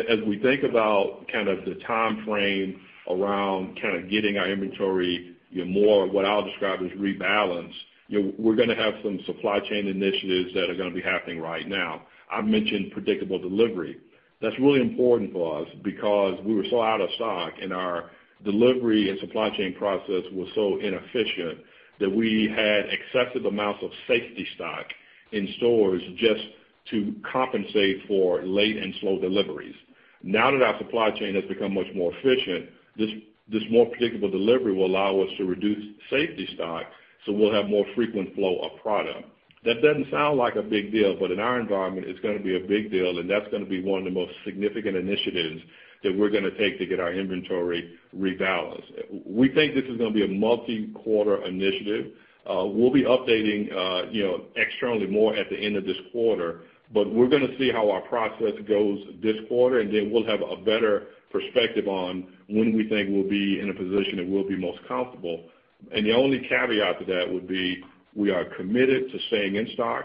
As we think about the timeframe around getting our inventory more, what I'll describe as rebalance, we're going to have some supply chain initiatives that are going to be happening right now. I've mentioned predictable delivery. That's really important for us because we were so out of stock, and our delivery and supply chain process was so inefficient that we had excessive amounts of safety stock in stores just to compensate for late and slow deliveries. Now that our supply chain has become much more efficient, this more predictable delivery will allow us to reduce safety stock, so we'll have more frequent flow of product. That doesn't sound like a big deal, but in our environment, it's going to be a big deal, and that's going to be one of the most significant initiatives that we're going to take to get our inventory rebalanced. We think this is going to be a multi-quarter initiative. We'll be updating externally more at the end of this quarter, we're going to see how our process goes this quarter, then we'll have a better perspective on when we think we'll be in a position that we'll be most comfortable. The only caveat to that would be, we are committed to staying in stock,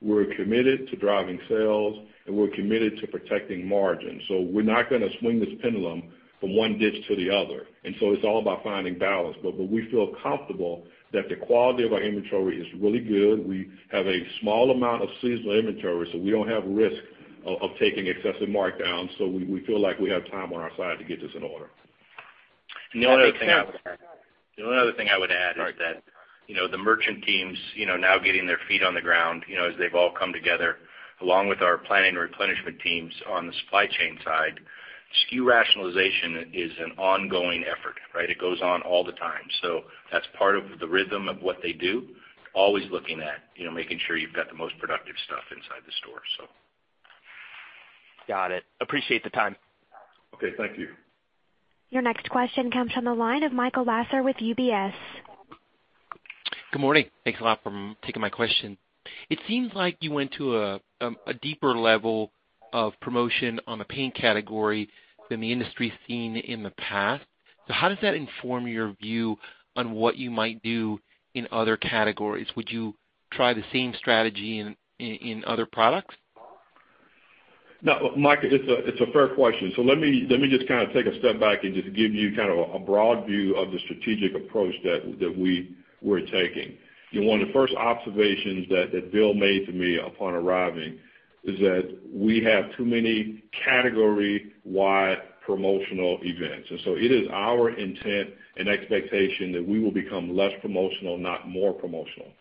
we're committed to driving sales, and we're committed to protecting margin. We're not going to swing this pendulum from one ditch to the other. It's all about finding balance. We feel comfortable that the quality of our inventory is really good. We have a small amount of seasonal inventory, we don't have risk of taking excessive markdowns. We feel like we have time on our side to get this in order. The only other thing I would add is that the merchant teams now getting their feet on the ground, as they've all come together, along with our planning and replenishment teams on the supply chain side, SKU rationalization is an ongoing effort. It goes on all the time. That's part of the rhythm of what they do, always looking at making sure you've got the most productive stuff inside the store. Got it. Appreciate the time. Okay. Thank you. Your next question comes from the line of Michael Lasser with UBS. Good morning. Thanks a lot for taking my question. It seems like you went to a deeper level of promotion on the paint category than the industry's seen in the past. How does that inform your view on what you might do in other categories? Would you try the same strategy in other products? No, Michael, it's a fair question. Let me just take a step back and just give you a broad view of the strategic approach that we're taking. One of the first observations that Bill made to me upon arriving is that we have too many category-wide promotional events. It is our intent and expectation that we will become less promotional, not more promotional.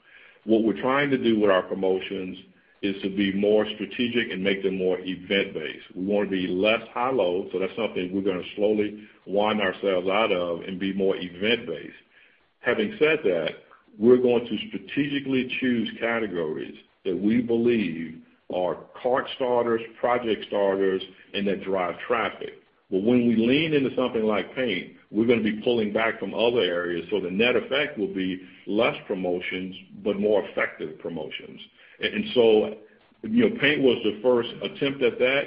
What we're trying to do with our promotions is to be more strategic and make them more event-based. We want to be less high-low, so that's something we're going to slowly wind ourselves out of and be more event-based. Having said that, we're going to strategically choose categories that we believe are cart starters, project starters, and that drive traffic. When we lean into something like paint, we're going to be pulling back from other areas, so the net effect will be less promotions, but more effective promotions. Paint was the first attempt at that.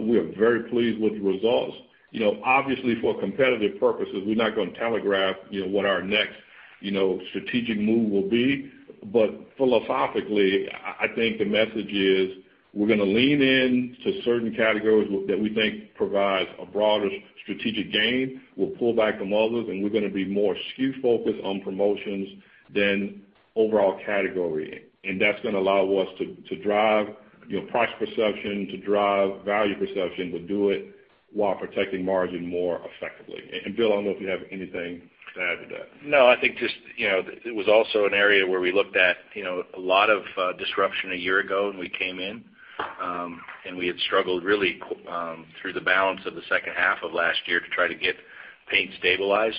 We are very pleased with the results. Obviously, for competitive purposes, we're not going to telegraph what our next strategic move will be. Philosophically, I think the message is we're going to lean into certain categories that we think provide a broader strategic gain. We'll pull back from others, and we're going to be more SKU-focused on promotions than overall category. That's going to allow us to drive price perception, to drive value perception, but do it while protecting margin more effectively. Bill, I don't know if you have anything to add to that. No, I think just, it was also an area where we looked at a lot of disruption a year ago when we came in. We had struggled really through the balance of the second half of last year to try to get paint stabilized.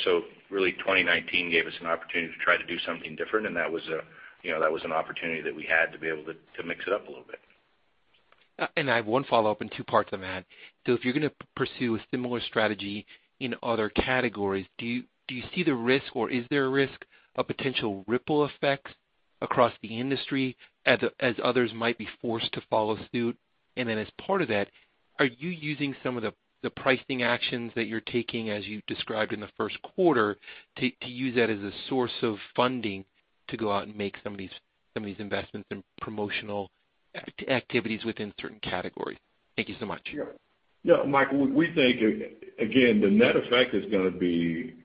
Really 2019 gave us an opportunity to try to do something different, and that was an opportunity that we had to be able to mix it up a little bit. I have one follow-up and two parts on that. If you're going to pursue a similar strategy in other categories, do you see the risk, or is there a risk of potential ripple effects across the industry as others might be forced to follow suit? As part of that, are you using some of the pricing actions that you're taking as you described in the first quarter, to use that as a source of funding to go out and make some of these investments in promotional activities within certain categories? Thank you so much. Yeah. Michael, we think, again, the net effect is going to be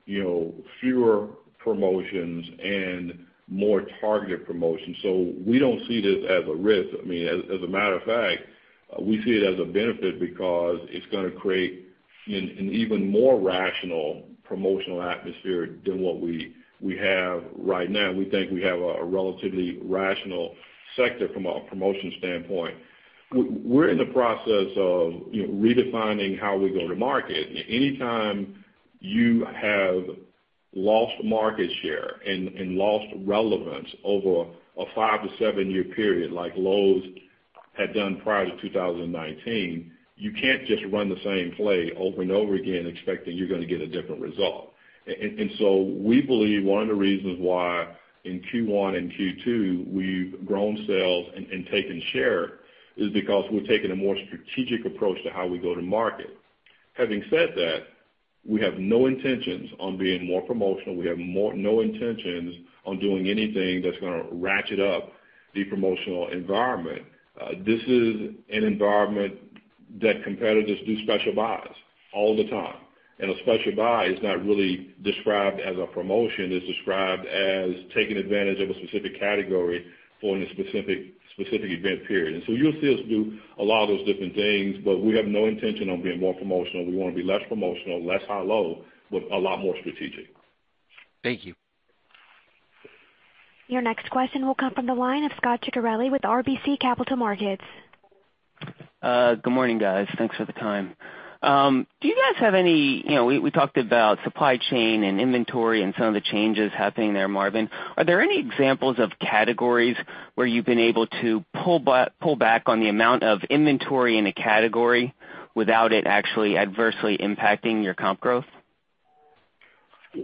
fewer promotions and more targeted promotions. We don't see this as a risk. As a matter of fact, we see it as a benefit because it's going to create an even more rational promotional atmosphere than what we have right now. We think we have a relatively rational sector from a promotion standpoint. We're in the process of redefining how we go to market. Anytime you have lost market share and lost relevance over a five to seven year period like Lowe's had done prior to 2019, you can't just run the same play over and over again expecting you're going to get a different result. We believe one of the reasons why in Q1 and Q2 we've grown sales and taken share is because we've taken a more strategic approach to how we go to market. Having said that, we have no intentions on being more promotional. We have no intentions on doing anything that's going to ratchet up the promotional environment. This is an environment that competitors do special buys all the time, and a special buy is not really described as a promotion. It's described as taking advantage of a specific category for a specific event period. You'll see us do a lot of those different things, but we have no intention on being more promotional. We want to be less promotional, less high low, but a lot more strategic. Thank you. Your next question will come from the line of Scot Ciccarelli with RBC Capital Markets. Good morning, guys. Thanks for the time. We talked about supply chain and inventory and some of the changes happening there, Marvin. Are there any examples of categories where you've been able to pull back on the amount of inventory in a category without it actually adversely impacting your comp growth?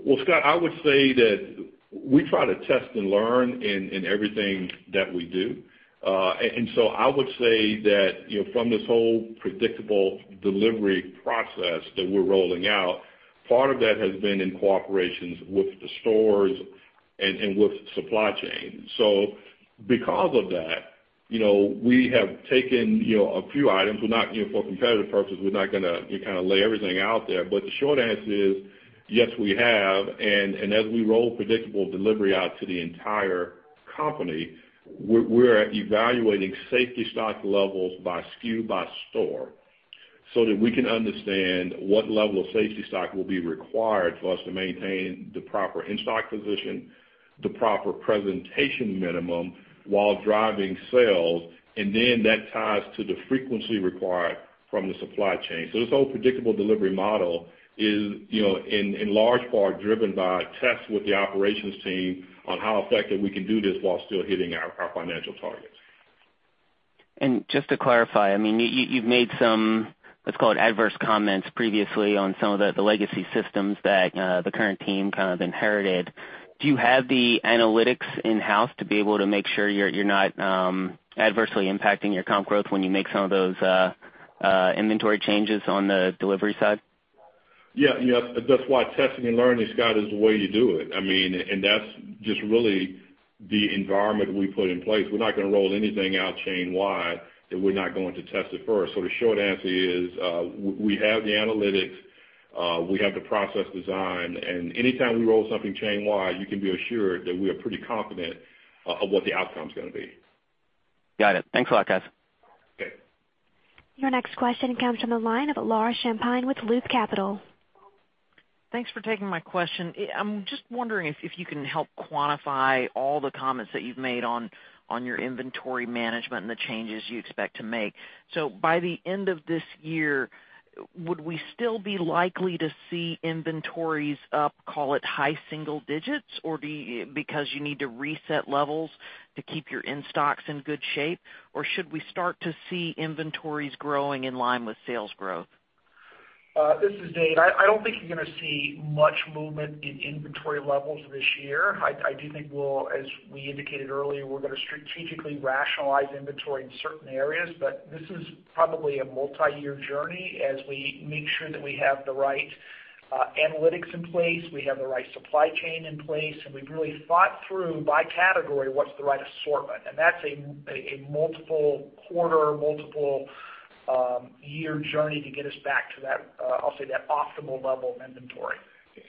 Well, Scot, I would say that we try to test and learn in everything that we do. I would say that from this whole predictable delivery process that we're rolling out, part of that has been in cooperation with the stores and with supply chain. Because of that, we have taken a few items. For competitive purposes, we're not going to lay everything out there. The short answer is, yes, we have, and as we roll predictable delivery out to the entire company, we're evaluating safety stock levels by SKU, by store, so that we can understand what level of safety stock will be required for us to maintain the proper in-stock position, the proper presentation minimum while driving sales, and then that ties to the frequency required from the supply chain. This whole predictable delivery model is in large part driven by tests with the operations team on how effective we can do this while still hitting our financial targets. Just to clarify, you've made some, let's call it adverse comments previously on some of the legacy systems that the current team kind of inherited. Do you have the analytics in-house to be able to make sure you're not adversely impacting your comp growth when you make some of those inventory changes on the delivery side? Yeah. That's why testing and learning, Scot, is the way you do it. That's just really the environment we put in place. We're not going to roll anything out chainwide if we're not going to test it first. The short answer is, we have the analytics, we have the process design, and anytime we roll something chainwide, you can be assured that we are pretty confident of what the outcome is going to be. Got it. Thanks a lot, guys. Okay. Your next question comes from the line of Laura Champine with Loop Capital. Thanks for taking my question. I'm just wondering if you can help quantify all the comments that you've made on your inventory management and the changes you expect to make. By the end of this year, would we still be likely to see inventories up, call it high single digits? Because you need to reset levels to keep your in-stocks in good shape? Should we start to see inventories growing in line with sales growth? This is Dave. I don't think you're going to see much movement in inventory levels this year. I do think, as we indicated earlier, we're going to strategically rationalize inventory in certain areas. This is probably a multi-year journey as we make sure that we have the right analytics in place, we have the right supply chain in place, and we've really thought through, by category, what's the right assortment. That's a multiple quarter, multiple year journey to get us back to that, I'll say, that optimal level of inventory.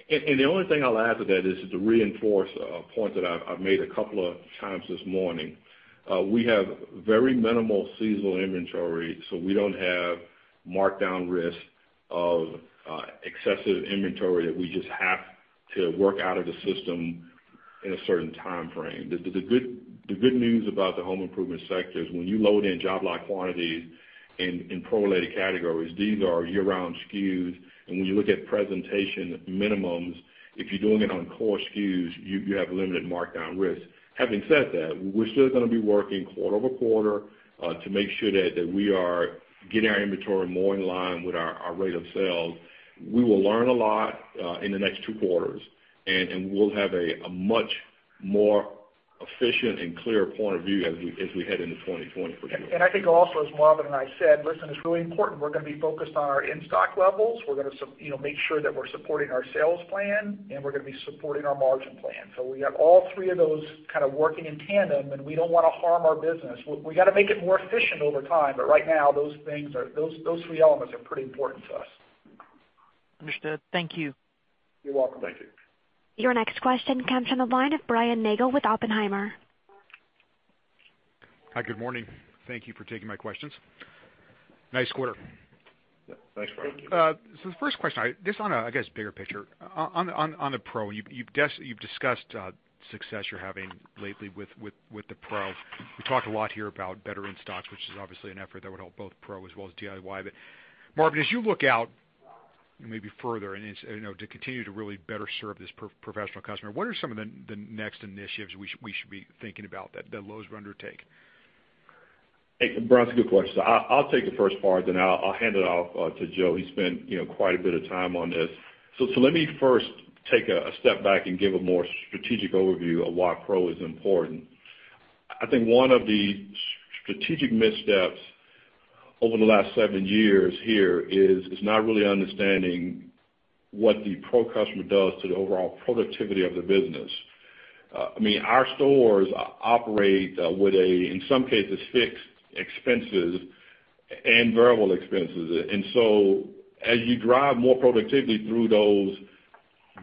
The only thing I'll add to that is to reinforce a point that I've made a couple of times this morning. We have very minimal seasonal inventory, so we don't have markdown risk of excessive inventory that we just have to work out of the system in a certain timeframe. The good news about the home improvement sector is when you load in job-lot quantities in pro-related categories, these are year-round SKUs. When you look at presentation minimums, if you're doing it on core SKUs, you have limited markdown risk. Having said that, we're still going to be working quarter-over-quarter, to make sure that we are getting our inventory more in line with our rate of sales. We will learn a lot in the next two quarters, and we'll have a much more efficient and clear point of view as we head into 2020. I think also, as Marvin and I said, listen, it's really important. We're going to be focused on our in-stock levels. We're going to make sure that we're supporting our sales plan, and we're going to be supporting our margin plan. We have all three of those kind of working in tandem, and we don't want to harm our business. We got to make it more efficient over time, but right now, those three elements are pretty important to us. Understood. Thank you. You're welcome. Thank you. Your next question comes from the line of Brian Nagel with Oppenheimer. Hi, good morning. Thank you for taking my questions. Nice quarter. Yeah. Thanks, Brian. Thank you. The first question, just on a, I guess, bigger picture. On the Pro, you've discussed success you're having lately with the Pro. We talked a lot here about better in-stocks, which is obviously an effort that would help both Pro as well as DIY. Marvin, as you look out further and to continue to really better serve this professional customer, what are some of the next initiatives we should be thinking about that Lowe's would undertake? Hey, Brian, it's a good question. I'll take the first part, then I'll hand it off to Joe. He spent quite a bit of time on this. Let me first take a step back and give a more strategic overview of why Pro is important. I think one of the strategic missteps over the last seven years here is not really understanding what the Pro customer does to the overall productivity of the business. Our stores operate with a, in some cases, fixed expenses and variable expenses. As you drive more productivity through those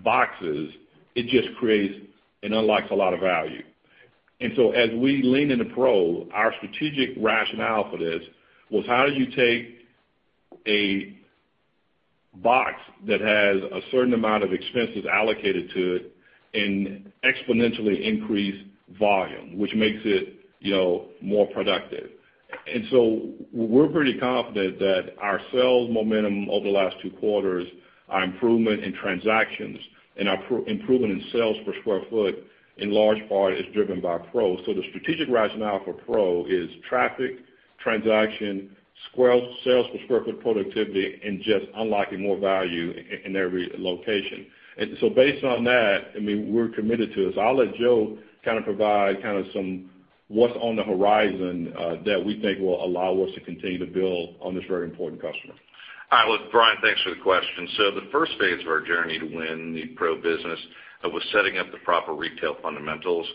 boxes, it just creates and unlocks a lot of value. As we lean into Pro, our strategic rationale for this was how do you take a box that has a certain amount of expenses allocated to it and exponentially increase volume, which makes it more productive. We're pretty confident that our sales momentum over the last two quarters, our improvement in transactions, and our improvement in sales per square foot in large part is driven by Pro. The strategic rationale for Pro is traffic, transaction, sales per square foot productivity, and just unlocking more value in every location. Based on that, we're committed to this. I'll let Joe provide what's on the horizon that we think will allow us to continue to build on this very important customer. Brian, thanks for the question. The first phase of our journey to win the Pro business was setting up the proper retail fundamentals,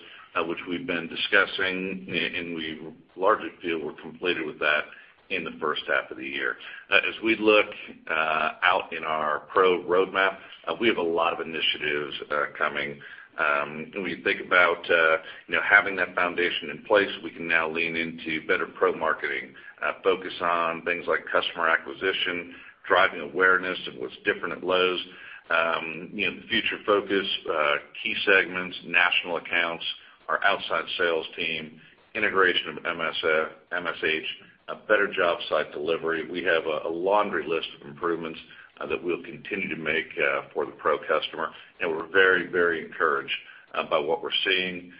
which we've been discussing, and we largely feel we're completed with that in the first half of the year. As we look out in our Pro roadmap, we have a lot of initiatives coming. When you think about having that foundation in place, we can now lean into better Pro marketing, focus on things like customer acquisition, driving awareness of what's different at Lowe's, future focus, key segments, national accounts, our outside sales team, integration of MSH, a better job site delivery. We have a laundry list of improvements that we'll continue to make for the Pro customer. We're very encouraged by what we're seeing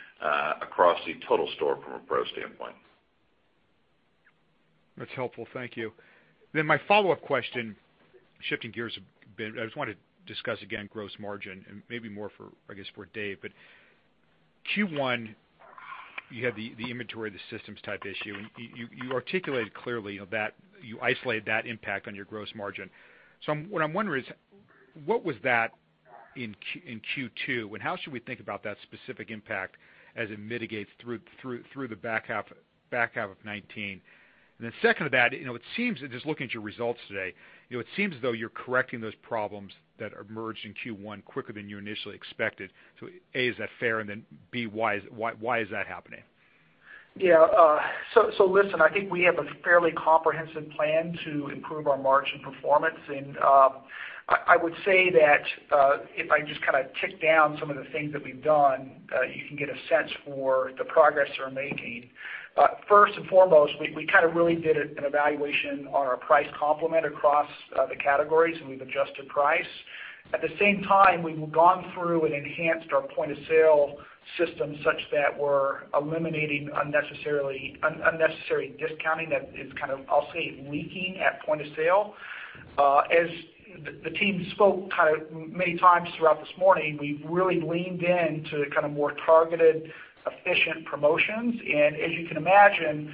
across the total store from a Pro standpoint. That's helpful. Thank you. My follow-up question, shifting gears a bit, I just wanted to discuss again gross margin and maybe more for, I guess, Dave. Q1, you had the inventory, the systems type issue, and you articulated clearly that you isolated that impact on your gross margin. What I'm wondering is what was that in Q2, and how should we think about that specific impact as it mitigates through the back half of 2019? Second to that, just looking at your results today, it seems as though you're correcting those problems that emerged in Q1 quicker than you initially expected. A, is that fair? B, why is that happening? Listen, I think we have a fairly comprehensive plan to improve our margin performance. I would say that if I just tick down some of the things that we've done, you can get a sense for the progress we're making. First and foremost, we really did an evaluation on our price complement across the categories, and we've adjusted price. At the same time, we've gone through and enhanced our point-of-sale system such that we're eliminating unnecessary discounting that is, I'll say, leaking at point of sale. As the team spoke many times throughout this morning, we've really leaned in to more targeted, efficient promotions. As you can imagine,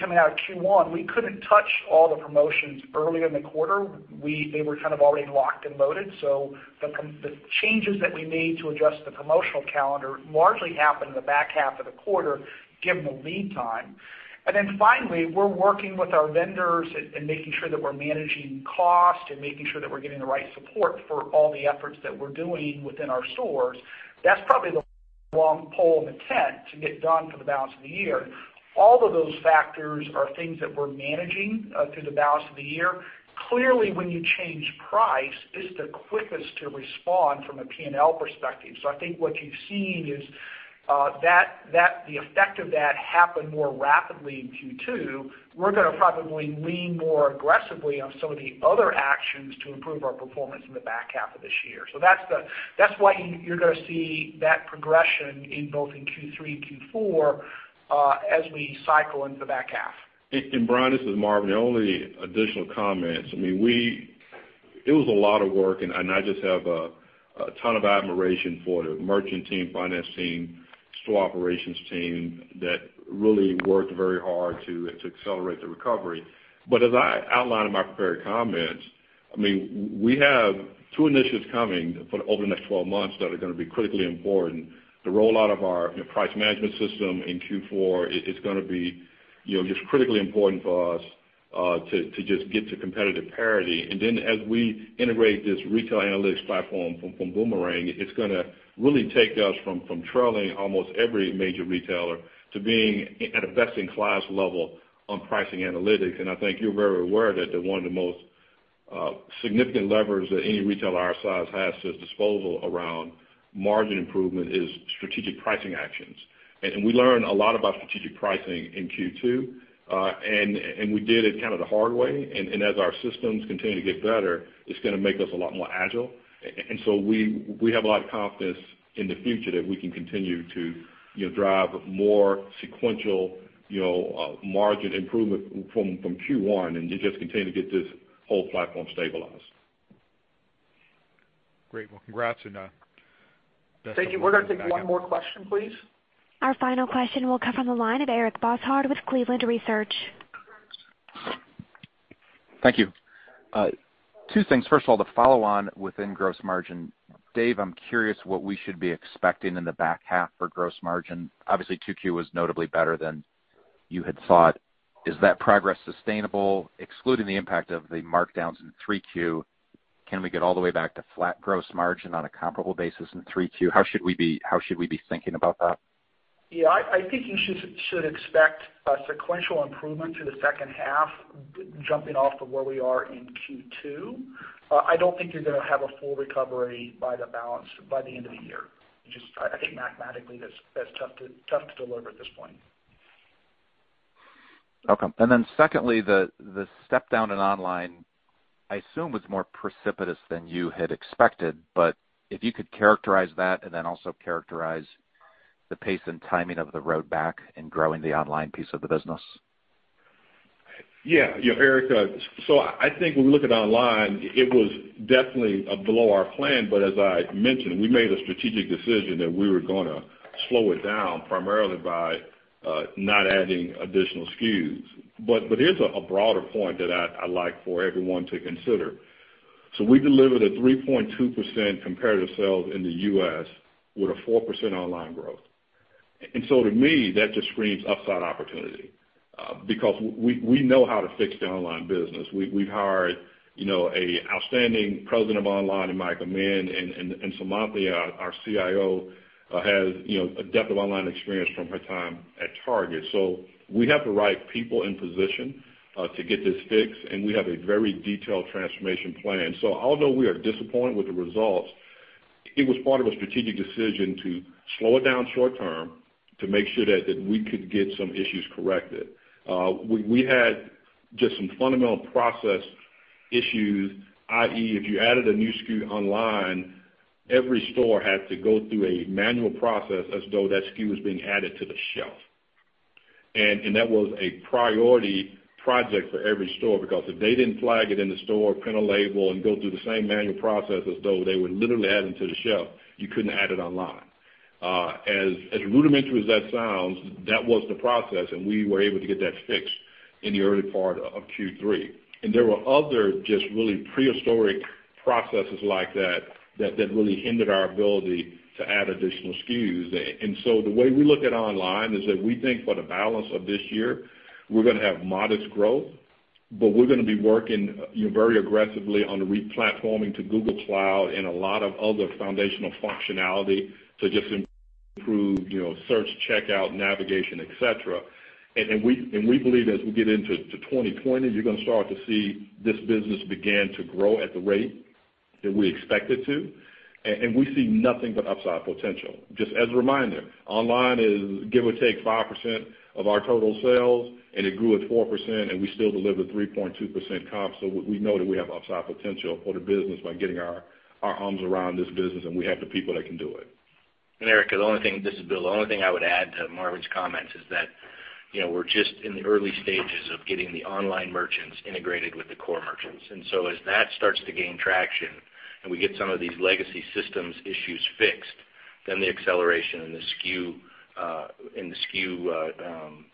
coming out of Q1, we couldn't touch all the promotions early in the quarter. They were already locked and loaded. The changes that we made to adjust the promotional calendar largely happened in the back half of the quarter, given the lead time. Finally, we're working with our vendors and making sure that we're managing cost and making sure that we're getting the right support for all the efforts that we're doing within our stores. That's probably the long pole in the tent to get done for the balance of the year. All of those factors are things that we're managing through the balance of the year. Clearly, when you change price, it's the quickest to respond from a P&L perspective. I think what you've seen is the effect of that happened more rapidly in Q2. We're going to probably lean more aggressively on some of the other actions to improve our performance in the back half of this year. That's why you're going to see that progression both in Q3 and Q4 as we cycle into the back half. Brian, this is Marvin. The only additional comments, it was a lot of work, and I just have a ton of admiration for the merchant team, finance team, store operations team that really worked very hard to accelerate the recovery. As I outlined in my prepared comments, we have two initiatives coming over the next 12 months that are going to be critically important. The rollout of our price management system in Q4, it's going to be just critically important for us to just get to competitive parity. As we integrate this retail analytics platform from Boomerang, it's going to really take us from trailing almost every major retailer to being at a best-in-class level on pricing analytics. I think you're very aware that they're one of the most significant levers that any retailer our size has at its disposal around margin improvement is strategic pricing actions. We learn a lot about strategic pricing in Q2. We did it the hard way. As our systems continue to get better, it's going to make us a lot more agile. We have a lot of confidence in the future that we can continue to drive more sequential margin improvement from Q1, and just continue to get this whole platform stabilized. Great. Well, congrats and best of luck. Thank you. We're going to take one more question, please. Our final question will come from the line of Eric Bosshard with Cleveland Research. Thank you. Two things. First of all, to follow on within gross margin. Dave, I'm curious what we should be expecting in the back half for gross margin. Obviously, 2Q was notably better than you had thought. Is that progress sustainable, excluding the impact of the markdowns in 3Q? Can we get all the way back to flat gross margin on a comparable basis in 3Q? How should we be thinking about that? Yeah, I think you should expect a sequential improvement to the second half, jumping off of where we are in Q2. I don't think you're going to have a full recovery by the end of the year. I think mathematically, that's tough to deliver at this point. Okay. Secondly, the step down in online, I assume, was more precipitous than you had expected, but if you could characterize that and then also characterize the pace and timing of the road back in growing the online piece of the business. Eric, I think when we look at online, it was definitely below our plan. As I mentioned, we made a strategic decision that we were going to slow it down primarily by not adding additional SKUs. Here's a broader point that I'd like for everyone to consider. We delivered a 3.2% comparative sales in the U.S. with a 4% online growth. To me, that just screams upside opportunity, because we know how to fix the online business. We've hired an outstanding president of online in Mike Amend and Seemantini, our CIO, has a depth of online experience from her time at Target. We have the right people in position to get this fixed, and we have a very detailed transformation plan. Although we are disappointed with the results, it was part of a strategic decision to slow it down short term to make sure that we could get some issues corrected. We had just some fundamental process issues, i.e., if you added a new SKU online, every store had to go through a manual process as though that SKU was being added to the shelf. That was a priority project for every store because if they didn't flag it in the store, print a label, and go through the same manual process as though they were literally adding to the shelf, you couldn't add it online. As rudimentary as that sounds, that was the process, and we were able to get that fixed in the early part of Q3. There were other just really prehistoric processes like that really hindered our ability to add additional SKUs. The way we look at online is that we think for the balance of this year, we're going to have modest growth, but we're going to be working very aggressively on replatforming to Google Cloud and a lot of other foundational functionality to just improve search, checkout, navigation, et cetera. We believe as we get into 2020, you're going to start to see this business begin to grow at the rate that we expect it to. We see nothing but upside potential. Just as a reminder, online is give or take 5% of our total sales, and it grew at 4%, and we still delivered 3.2% comp. We know that we have upside potential for the business by getting our arms around this business, and we have the people that can do it. Eric, this is Bill, the only thing I would add to Marvin's comments is that we're just in the early stages of getting the online merchants integrated with the core merchants. As that starts to gain traction and we get some of these legacy systems issues fixed, then the acceleration and the SKU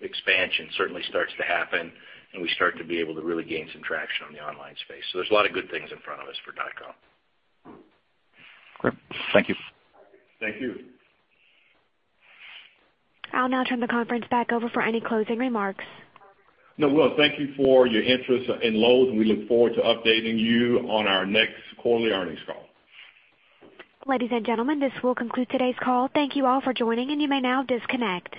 expansion certainly starts to happen, and we start to be able to really gain some traction on the online space. There's a lot of good things in front of us for dotcom. Great. Thank you. Thank you. I'll now turn the conference back over for any closing remarks. No, well, thank you for your interest in Lowe's, and we look forward to updating you on our next quarterly earnings call. Ladies and gentlemen, this will conclude today's call. Thank you all for joining, and you may now disconnect.